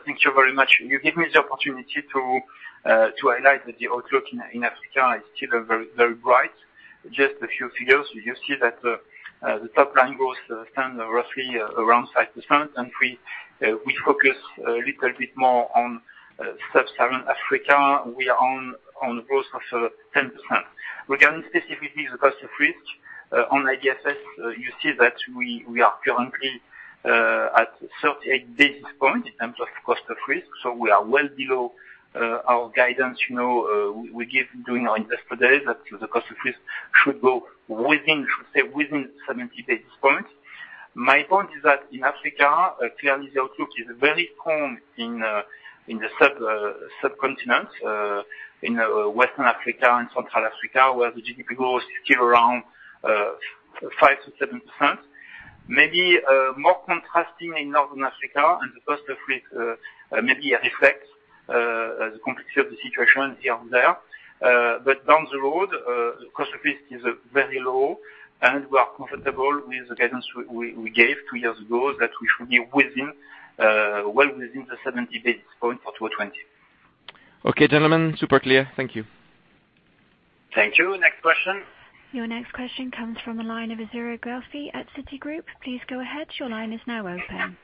Thank you very much. You give me the opportunity to highlight that the outlook in Africa is still very bright. Just a few figures. You see that the top line growth stands roughly around 5%, and we focus a little bit more on Sub-Saharan Africa. We are on growth of 10%. Regarding specifically the cost of risk on IBFS, you see that we are currently at 38 basis points in terms of cost of risk. We are well below our guidance. We give during our Investor Day that the cost of risk should stay within 70 basis points. My point is that in Africa, clearly the outlook is very calm in the subcontinent, in Western Africa and Central Africa, where the GDP growth is still around 5%-7%. Maybe more contrasting in Northern Africa, and the cost of risk maybe reflects the complexity of the situation here and there. Down the road, cost of risk is very low, and we are comfortable with the guidance we gave two years ago, that we should be well within the 70 basis points for 2020. Okay, gentlemen. Super clear. Thank you. Thank you. Next question. Your next question comes from the line of Azzurra Guelfi at Citigroup. Please go ahead. Your line is now open.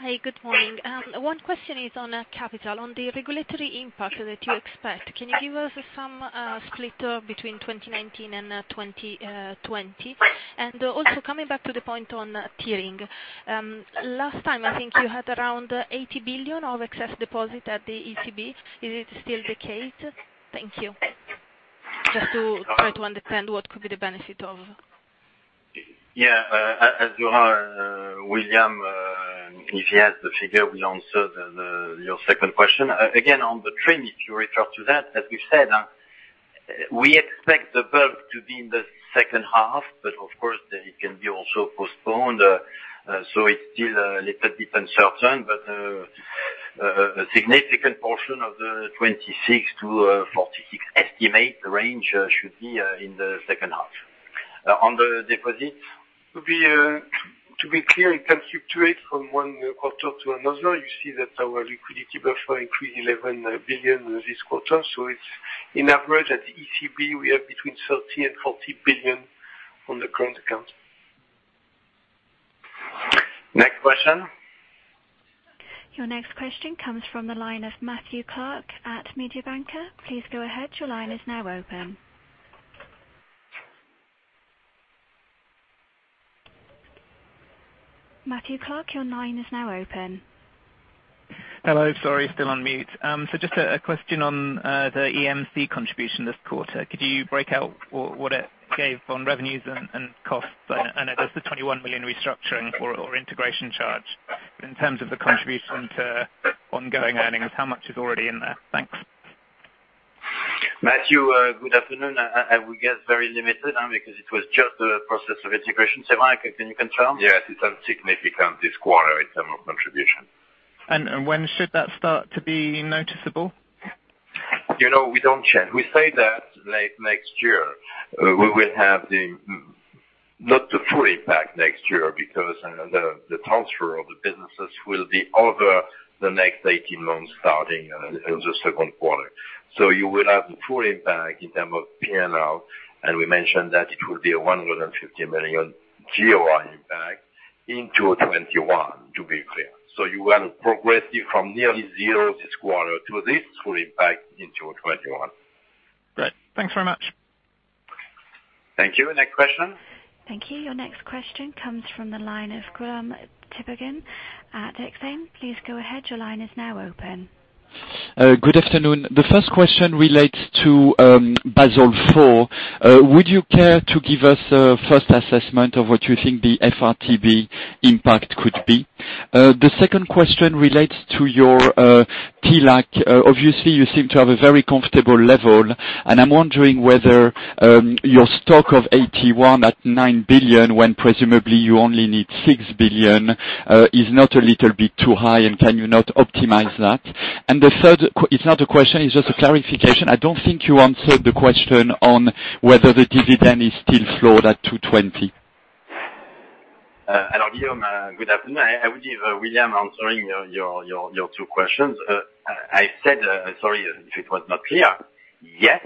Hi. Good morning. One question is on capital. On the regulatory impact that you expect, can you give us some split between 2019 and 2020? Also coming back to the point on tiering. Last time, I think you had around 80 billion of excess deposit at the ECB. Is it still the case? Thank you. Just to try to understand what could be the benefit of. Azzurra, William, if he has the figure, will answer your second question. On the TRIM, if you refer to that, as we've said, we expect the bulk to be in the second half, of course, it can be also postponed. It's still a little bit uncertain, but a significant portion of the 26-46 estimate range should be in the second half. To be clear, in terms of iterate from one quarter to another, you see that our liquidity buffer increased 11 billion this quarter. It's in average at the ECB, we have between 30 billion and 40 billion on the current account. Next question. Your next question comes from the line of Matthew Clark at Mediobanca. Please go ahead. Your line is now open. Matthew Clark, your line is now open. Hello. Sorry, still on mute. Just a question on the EMC contribution this quarter. Could you break out what it gave on revenues and costs? I know there's the 21 million restructuring or integration charge. In terms of the contribution to ongoing earnings, how much is already in there? Thanks. Matthew, good afternoon. I will guess very limited, because it was just a process of integration. Sylvain, can you confirm? Yes, it's insignificant this quarter in terms of contribution. When should that start to be noticeable? We don't change. We say that late next year. We will have not the full impact next year, because the transfer of the businesses will be over the next 18 months, starting in the second quarter. You will have the full impact in term of P&L, and we mentioned that it will be a 150 million general impact in 2021, to be clear. You will progress from nearly zero this quarter to this full impact in 2021. Great. Thanks very much. Thank you. Next question. Thank you. Your next question comes from the line of Guillaume Tiberghien at Exane. Please go ahead. Your line is now open. Good afternoon. The first question relates to Basel IV. Would you care to give us a first assessment of what you think the FRTB impact could be? The second question relates to your TLAC. Obviously, you seem to have a very comfortable level, I'm wondering whether your stock of AT1 at 9 billion, when presumably you only need 6 billion, is not a little bit too high, and can you not optimize that? The third, it's not a question, it's just a clarification. I don't think you answered the question on whether the dividend is still floored at 2.20. Hello, Guillaume. Good afternoon. I will give William answering your two questions. I said, sorry if it was not clear. Yes,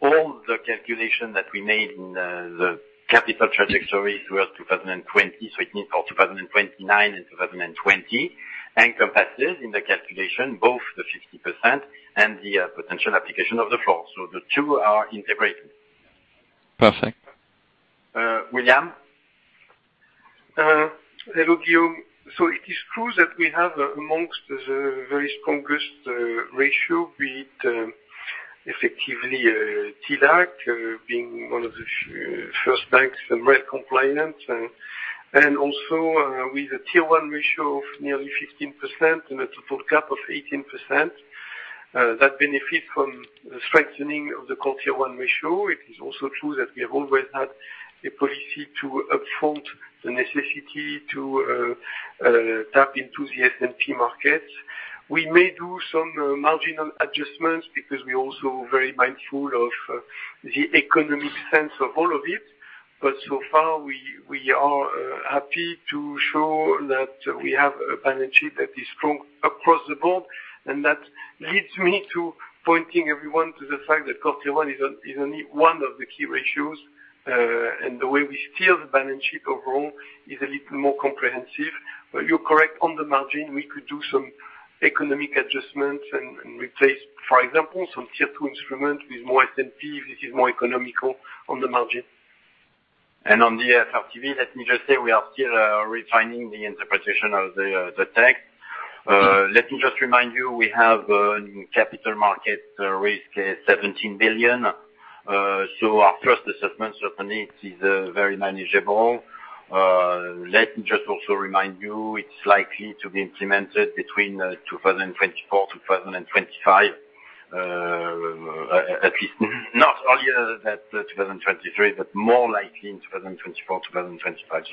all the calculation that we made in the capital trajectory towards 2020, so it means for 2029 and 2020, encompasses in the calculation both the 60% and the potential application of the floor. The two are integrated. Perfect. William? Hello, Guillaume. It is true that we have amongst the very strongest ratio with effectively TLAC being one of the first banks and well compliant, and also with a Tier 1 ratio of nearly 15% and a total cap of 18%, that benefit from the strengthening of the core Tier 1 ratio. It is also true that we have always had a policy to upfront the necessity to tap into the S&P markets. We may do some marginal adjustments because we're also very mindful of the economic sense of all of it. So far, we are happy to show that we have a balance sheet that is strong across the board, and that leads me to pointing everyone to the fact that core Tier 1 is only one of the key ratios. The way we steer the balance sheet overall is a little more comprehensive. You're correct. On the margin, we could do some economic adjustments and replace, for example, some Tier 2 instruments with more S&P, if this is more economical on the margin. On the FRTB, let me just say, we are still refining the interpretation of the text. Let me just remind you, we have capital market risk at 17 billion. Our first assessment, certainly, it is very manageable. Let me just also remind you, it is likely to be implemented between 2024, 2025. At least not earlier than 2023, but more likely in 2024, 2025.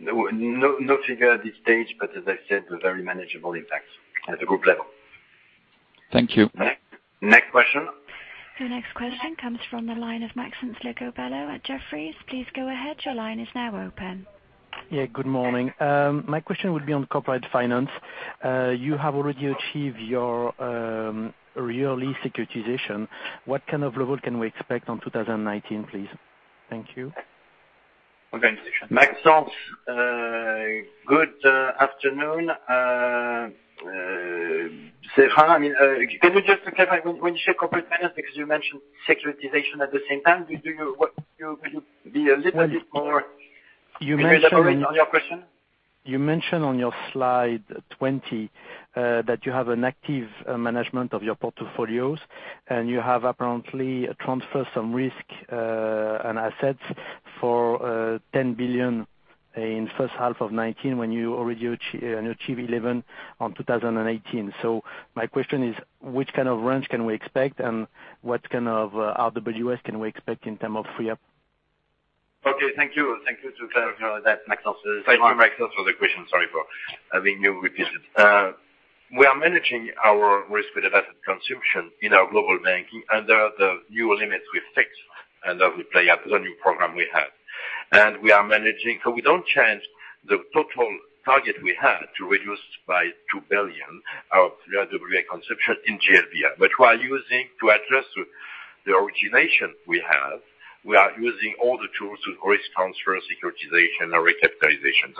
No figure at this stage, but as I said, a very manageable impact at the group level. Thank you. Next question. The next question comes from the line of Maxence Le Gouvello at Jefferies. Please go ahead. Your line is now open. Yeah, good morning. My question would be on corporate finance. You have already achieved your yearly securitization. What kind of level can we expect on 2019, please? Thank you. Okay. Maxence, good afternoon. Maxence, can you just clarify when you say corporate finance, because you mentioned securitization at the same time. Could you be a little bit more? You mentioned- Can you elaborate on your question? You mentioned on your slide 20 that you have an active management of your portfolios, and you have apparently transferred some risk and assets for 10 billion in first half of 2019 when you already achieve 11 on 2018. My question is, which kind of range can we expect and what kind of RWAs can we expect in term of free up? Okay, thank you. Thank you to clarify that, Maxence. Thank you, Maxence, for the question. Sorry for having you repeat it. We are managing our risk-weighted asset consumption in our global banking under the new limits we've fixed. That will play out the new program we have. We are managing. We don't change the total target we have to reduce by 2 billion our RWA consumption in GLBA. We are using to address the origination we have. We are using all the tools, risk transfer, securitization, and recapitalization.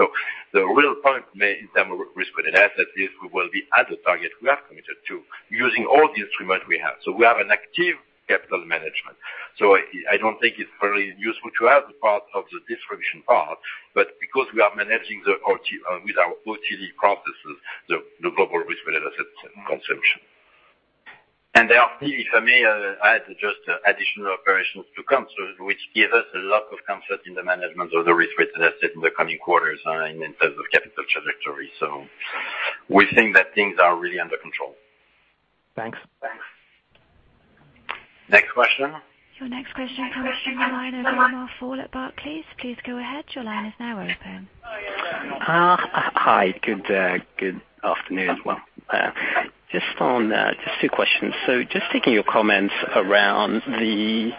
The real point made in terms of risk-weighted assets is we will be at the target we are committed to using all the instruments we have. We have an active capital management. I don't think it's very useful to add the part of the distribution part, but because we are managing with our OTD processes, the global risk-weighted asset consumption. There are still, for me, I add just additional operations to come, so which give us a lot of comfort in the management of the risk-weighted asset in the coming quarters in terms of capital trajectory. We think that things are really under control. Thanks. Thanks. Next question. Your next question comes from the line of Omar Fall at Barclays. Please go ahead. Your line is now open. Hi, good afternoon. Just two questions. Just taking your comments around the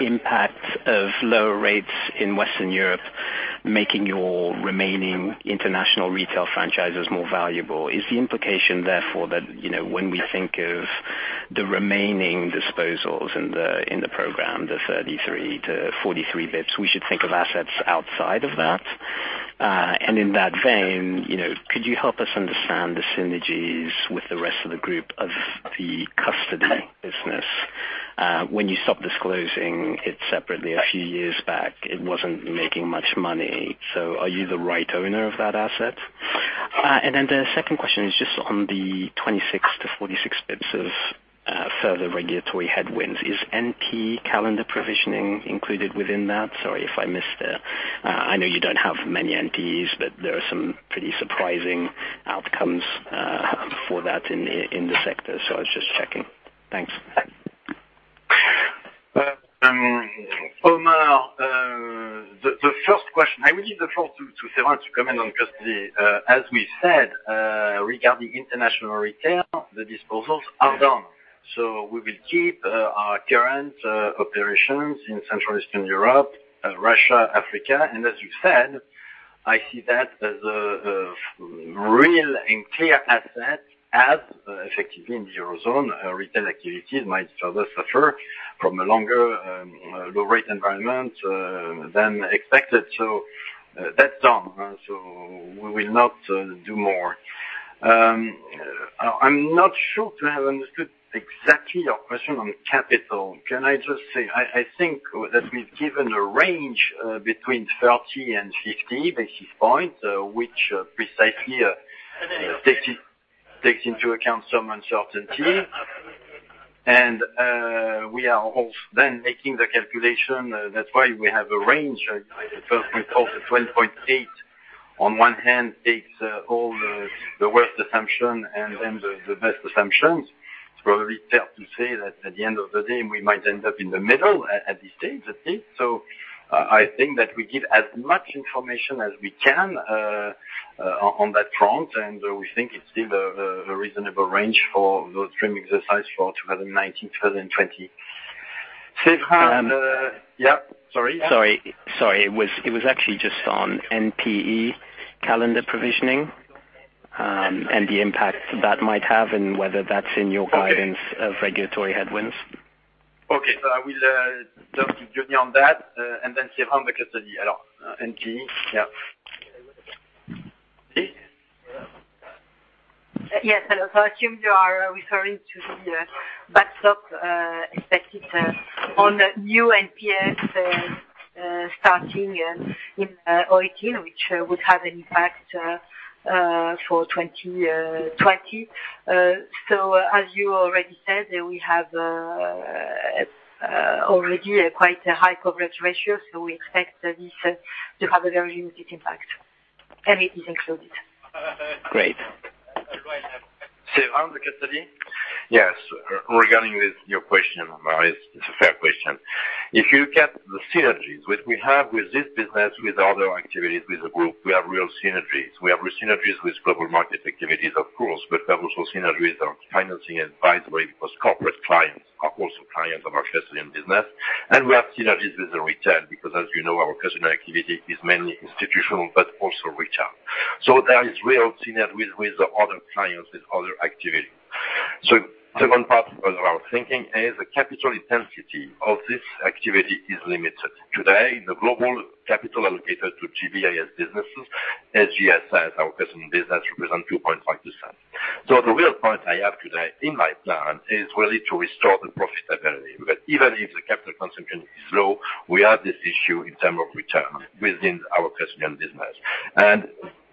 impact of lower rates in Western Europe making your remaining international retail franchises more valuable, is the implication therefore that, when we think of the remaining disposals in the program, the 33 basis points-43 basis points, we should think of assets outside of that? In that vein, could you help us understand the synergies with the rest of the group of the custody business? When you stopped disclosing it separately a few years back, it wasn't making much money. Are you the right owner of that asset? The second question is just on the 26 basis points-46 basis points of further regulatory headwinds. Is NP calendar provisioning included within that? Sorry if I missed the I know you don't have many NPs, but there are some pretty surprising outcomes for that in the sector, so I was just checking. Thanks. Omar, the first question, I will leave the floor to Stéphane to comment on custody. We've said, regarding International Retail, the disposals are done. We will keep our current operations in Central Eastern Europe, Russia, Africa. As you said, I see that as a real and clear asset as effectively in the Eurozone, retail activities might further suffer from a longer low-rate environment than expected. That's done. We will not do more. I'm not sure to have understood exactly your question on capital. Can I just say, I think that we've given a range between 30 and 50 basis points, which precisely takes into account some uncertainty. We are also then making the calculation, that's why we have a range. The first point of the 12.8, on one hand, takes all the worst assumption and the best assumptions. It's probably fair to say that at the end of the day, we might end up in the middle at this stage. I think that we give as much information as we can on that front, and we think it's still a reasonable range for those framing exercises for 2019, 2020. Séverin. Yeah. Sorry? Sorry. It was actually just on NPE calendar provisioning, and the impact that might have and whether that's in your guidance? Okay of regulatory headwinds. Okay. I will just give you on that, and then [Séverin Cabannes] on NPE. Yeah. C? Yes. Hello. I assume you are referring to the backstop expected on new NPEs starting in 2018, which would have an impact for 2020. As you already said, we have already a quite high coverage ratio, so we expect this to have a very limited impact. It is included. Great. All right. [Séverin Cabannes]? Yes. Regarding your question, it's a fair question. If you look at the synergies, which we have with this business, with other activities with the group, we have real synergies. We have synergies with global market activities, of course, but we have also synergies on financing advisory because corporate clients are also clients of our custody business. And we have synergies with the retail because, as you know, our custody activity is mainly institutional but also retail. There is real synergy with other clients, with other activities. The second part of our thinking is the capital intensity of this activity is limited. Today, the global capital allocated to GBIS businesses, SGSS, our custody business, represent 2.5%. The real point I have today in my plan is really to restore the profitability. Even if the capital consumption is low, we have this issue in terms of return within our customer business.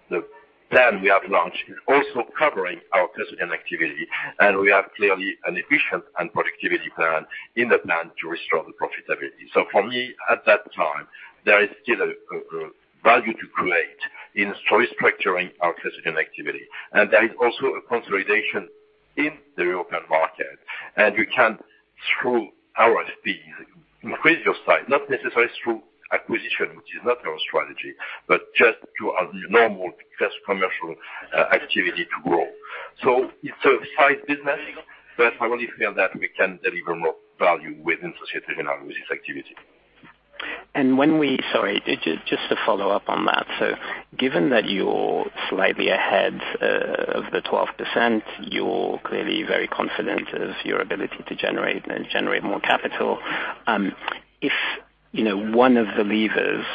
The plan we have launched is also covering our customer activity, and we have clearly an efficient and productivity plan in the plan to restore the profitability. For me, at that time, there is still a value to create in restructuring our customer activity. There is also a consolidation in the open market. You can, through our fees, increase your size, not necessarily through acquisition, which is not our strategy, but just to a normal commercial activity to grow. It's a side business, but I want to feel that we can deliver more value within Société Générale with this activity. Sorry, just to follow up on that. Given that you're slightly ahead of the 12%, you're clearly very confident of your ability to generate more capital. If one of the levers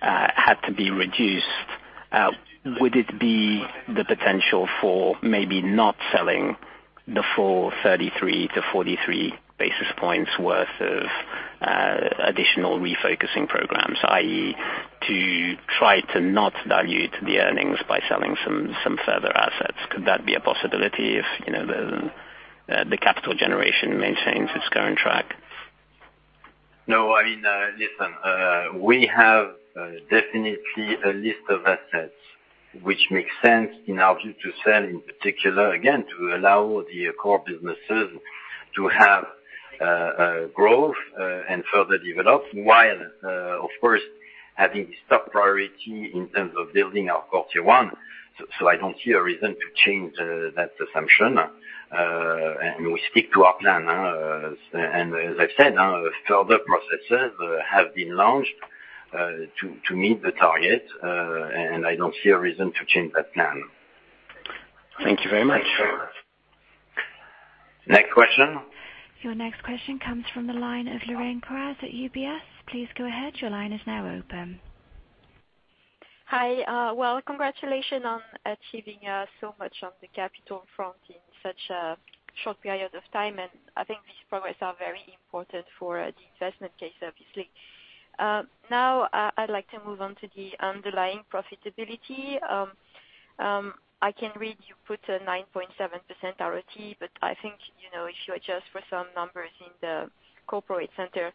had to be reduced, would it be the potential for maybe not selling the full 33 to 43 basis points worth of additional refocusing programs, i.e., to try to not dilute the earnings by selling some further assets? Could that be a possibility if the capital generation maintains its current track? No. Listen, we have definitely a list of assets which makes sense in our view to sell, in particular, again, to allow the core businesses to have growth and further development, while of course, having the top priority in terms of building our Tier 1. I don't see a reason to change that assumption. We stick to our plan. As I've said, further processes have been launched to meet the target, and I don't see a reason to change that plan. Thank you very much. Next question. Your next question comes from the line of Lorraine Quoirez at UBS. Please go ahead. Your line is now open. Hi. Well, congratulations on achieving so much on the capital front in such a short period of time, I think these progress are very important for the investment case, obviously. Now, I'd like to move on to the underlying profitability. I can read you put a 9.7% ROTE, I think, if you adjust for some numbers in the corporate center,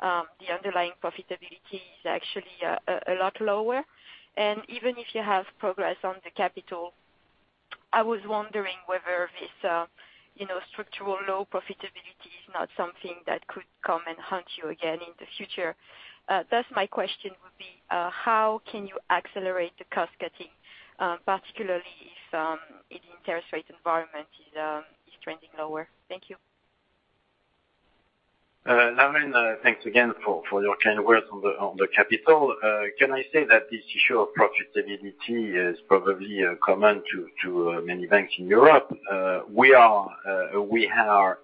the underlying profitability is actually a lot lower. Even if you have progress on the capital, I was wondering whether this structural low profitability is not something that could come and haunt you again in the future. Thus, my question would be, how can you accelerate the cost-cutting, particularly if the interest rate environment is trending lower? Thank you. Lorraine, thanks again for your kind words on the capital. Can I say that this issue of profitability is probably common to many banks in Europe? We are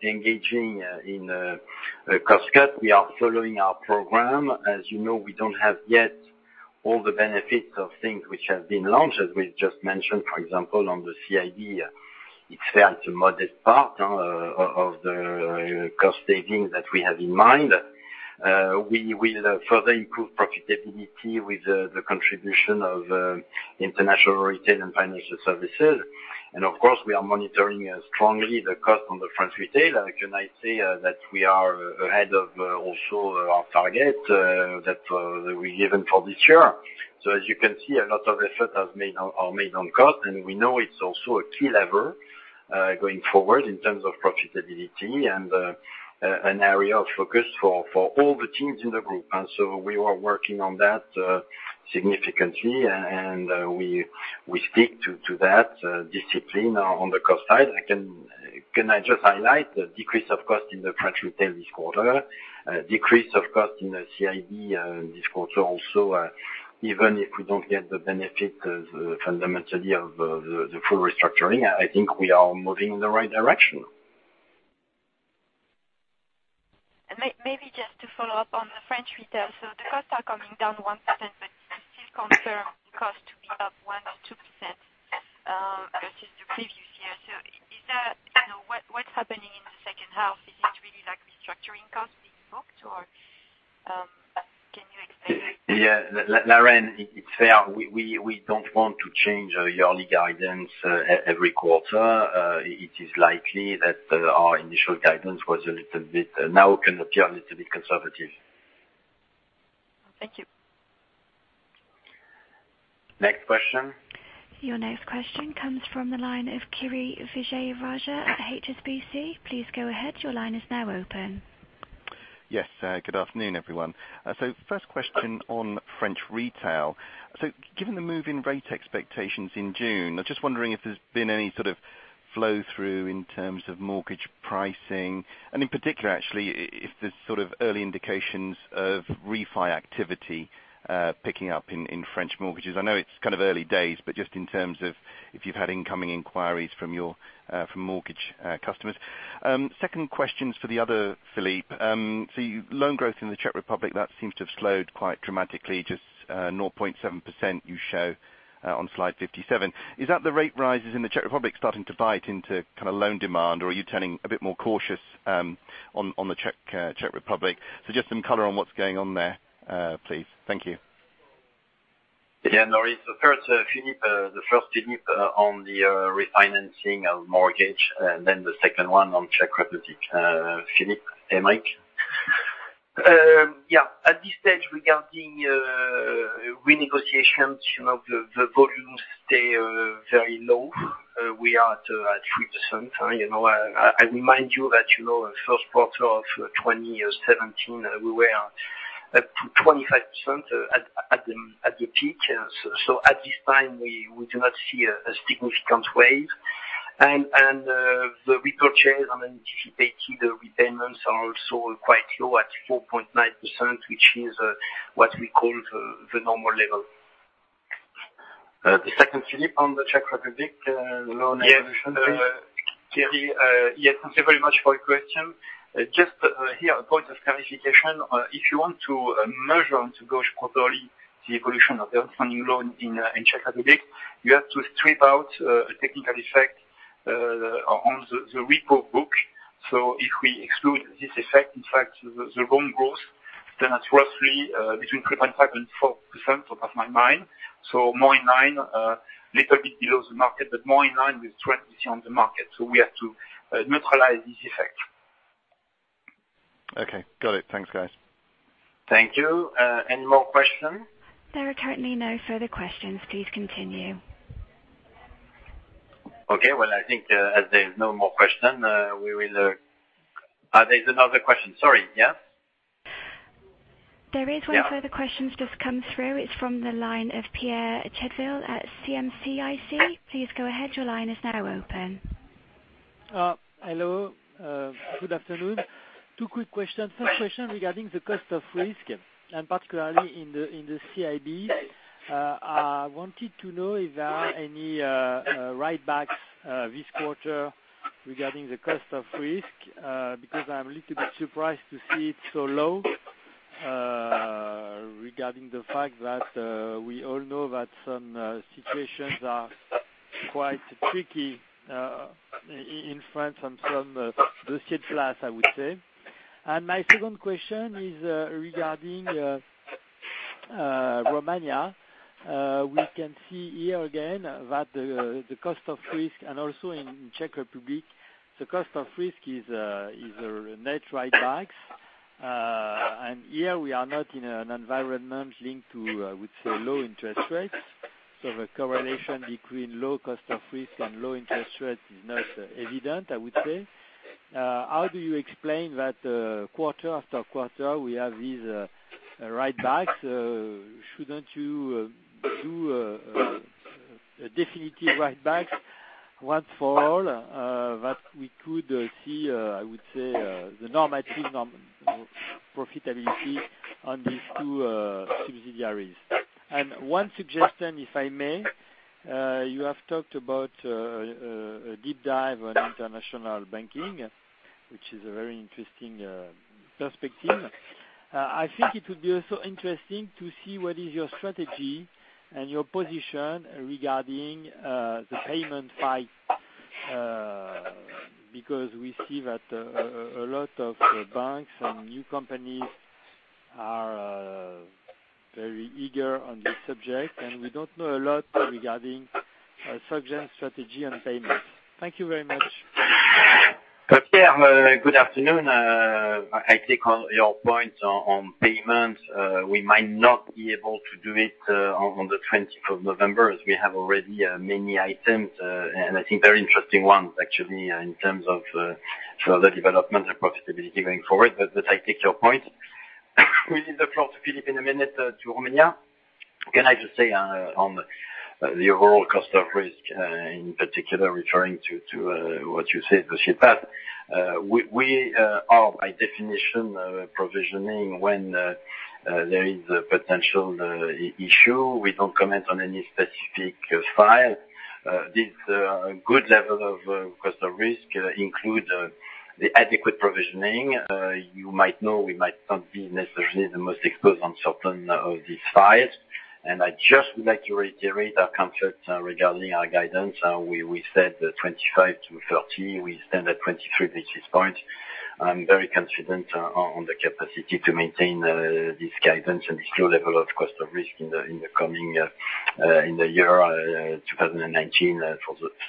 engaging in a cost cut. We are following our program. As you know, we don't have yet all the benefits of things which have been launched, as we just mentioned, for example, on the CIB, it's fair to modest part of the cost saving that we have in mind. We will further improve profitability with the contribution of International Retail and Financial Services. Of course, we are monitoring strongly the cost on the French Retail. Can I say that we are ahead of also our target that we're given for this year. As you can see, a lot of effort are made on cost, and we know it's also a key lever, going forward in terms of profitability and an area of focus for all the teams in the group. We are working on that significantly, and we speak to that discipline on the cost side. Can I just highlight the decrease of cost in the French Retail this quarter, decrease of cost in the CIB, this quarter also, even if we don't get the benefit fundamentally of the full restructuring, I think we are moving in the right direction. Maybe just to follow up on the French Retail. The costs are coming down 1%, you still concern cost to be up 1% or 2% versus the previous year. What's happening in the second half? Is it really like restructuring costs being booked or can you explain it? Yeah. Lorraine, it's fair. We don't want to change our yearly guidance every quarter. It is likely that our initial guidance was a little bit now it can appear a little bit conservative. Thank you. Next question. Your next question comes from the line of Kiri Vijayarajah at HSBC. Please go ahead. Your line is now open. Yes. Good afternoon, everyone. First question on French Retail. Given the move in rate expectations in June, I'm just wondering if there's been any sort of flow-through in terms of mortgage pricing, and in particular, actually, if there's sort of early indications of refi activity picking up in French mortgages. I know it's kind of early days, but just in terms of if you've had incoming inquiries from mortgage customers. Second questions for the other Philippe. Loan growth in the Czech Republic, that seems to have slowed quite dramatically, just 0.7% you show on slide 57. Is that the rate rises in the Czech Republic starting to bite into loan demand, or are you turning a bit more cautious on the Czech Republic? Just some color on what's going on there, please. Thank you. Yeah, Kiri. First, Philippe, on the refinancing of mortgage, then the second one on Czech Republic. Philippe, a mic. At this stage, regarding renegotiations, the volumes stay very low. We are at 3%. I remind you that first quarter of 2017, we were at 25% at the peak. At this time, we do not see a significant wave. The repurchase, anticipating the repayments are also quite low at 4.9%, which is what we call the normal level. The second Philippe on the Czech Republic loan evolution, please. Yes, Kiri. Thank you very much for your question. Here, a point of clarification. If you want to measure and to go properly the evolution of the funding loan in Czech Republic, you have to strip out a technical effect on the repo book. If we exclude this effect, in fact, the loan growth stands at roughly between 3.5% and 4% top of my mind. More in line, a little bit below the market, more in line with trends we see on the market. We have to neutralize this effect. Okay. Got it. Thanks, guys. Thank you. Any more question? There are currently no further questions. Please continue. Okay. Well, I think as there's no more question. There's another question, sorry. Yeah? There is one further question just come through. It's from the line of Pierre Chedeville at CM-CIC. Please go ahead. Your line is now open. Hello. Good afternoon. Two quick questions. First question regarding the cost of risk, and particularly in the CIB. I wanted to know if there are any write-backs this quarter regarding the cost of risk, because I'm a little bit surprised to see it so low, regarding the fact that we all know that some situations are quite tricky in France on some dossiers classé, I would say. My second question is regarding Romania. We can see here again that the cost of risk and also in Czech Republic, the cost of risk is a net write-back. Here we are not in an environment linked to, I would say, low interest rates. The correlation between low cost of risk and low interest rates is not evident, I would say. How do you explain that quarter after quarter, we have these write-backs? Shouldn't you do a definitive write back once for all, that we could see, I would say, the normality profitability on these two subsidiaries? One suggestion, if I may. You have talked about a deep dive on international banking, which is a very interesting perspective. I think it would be also interesting to see what is your strategy and your position regarding the payment fight, because we see that a lot of banks and new companies are very eager on this subject, and we don't know a lot regarding such strategy on payments. Thank you very much. Pierre, good afternoon. I take your point on payment. We might not be able to do it on November 20th, as we have already many items, and I think very interesting ones, actually, in terms of further development and profitability going forward. I take your point. We leave the floor to Philippe in a minute to Romania. Can I just say on the overall cost of risk, in particular referring to what you said, Pierre Yes. We are by definition, provisioning when there is a potential issue. We don't comment on any specific file. This good level of cost of risk includes the adequate provisioning. You might know we might not be necessarily the most exposed on certain of these files. I just would like to reiterate our comfort regarding our guidance. We said 25 basis points to 30 basis points. We stand at 23 basis points. I'm very confident on the capacity to maintain this guidance and this low level of cost of risk in the year 2019,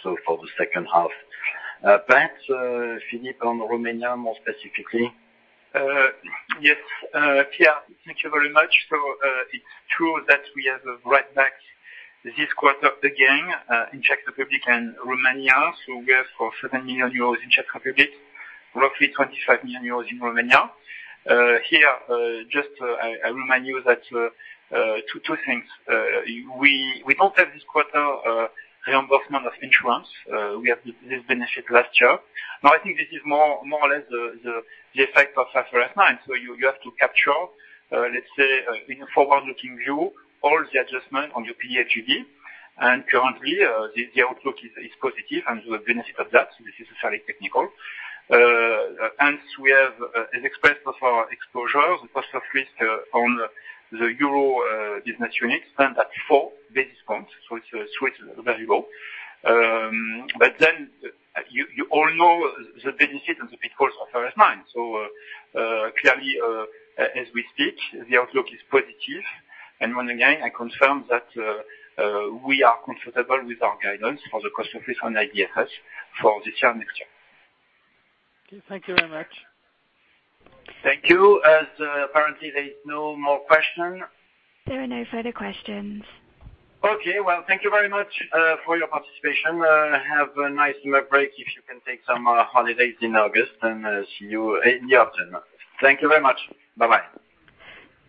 so for the second half. Back to Philippe on Romania, more specifically. Yes, Pierre, thank you very much. It's true that we have a write back this quarter again in Czech Republic and Romania. We have for 7 million euros in Czech Republic, roughly 25 million euros in Romania. Here, just I remind you two things. We don't have this quarter reimbursement of insurance. We have this benefit last year. I think this is more or less the effect of IFRS 9. You have to capture, let's say, in a forward-looking view, all the adjustment on your pay attribute. Currently, the outlook is positive and the benefit of that, this is fairly technical. We have, as expressed of our exposures and cost of risk on the Euro business unit, stand at 4 basis points, so it's very low. You all know the benefit and the pitfalls of IFRS 9. Clearly, as we speak, the outlook is positive. Once again, I confirm that we are comfortable with our guidance for the cost of risk on the IFRS for this year, next year. Okay. Thank you very much. Thank you. Apparently there is no more question. There are no further questions. Okay. Well, thank you very much for your participation. Have a nice summer break if you can take some holidays in August, and see you in the autumn. Thank you very much. Bye-bye.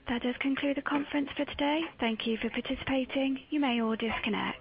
That does conclude the conference for today. Thank you for participating. You may all disconnect.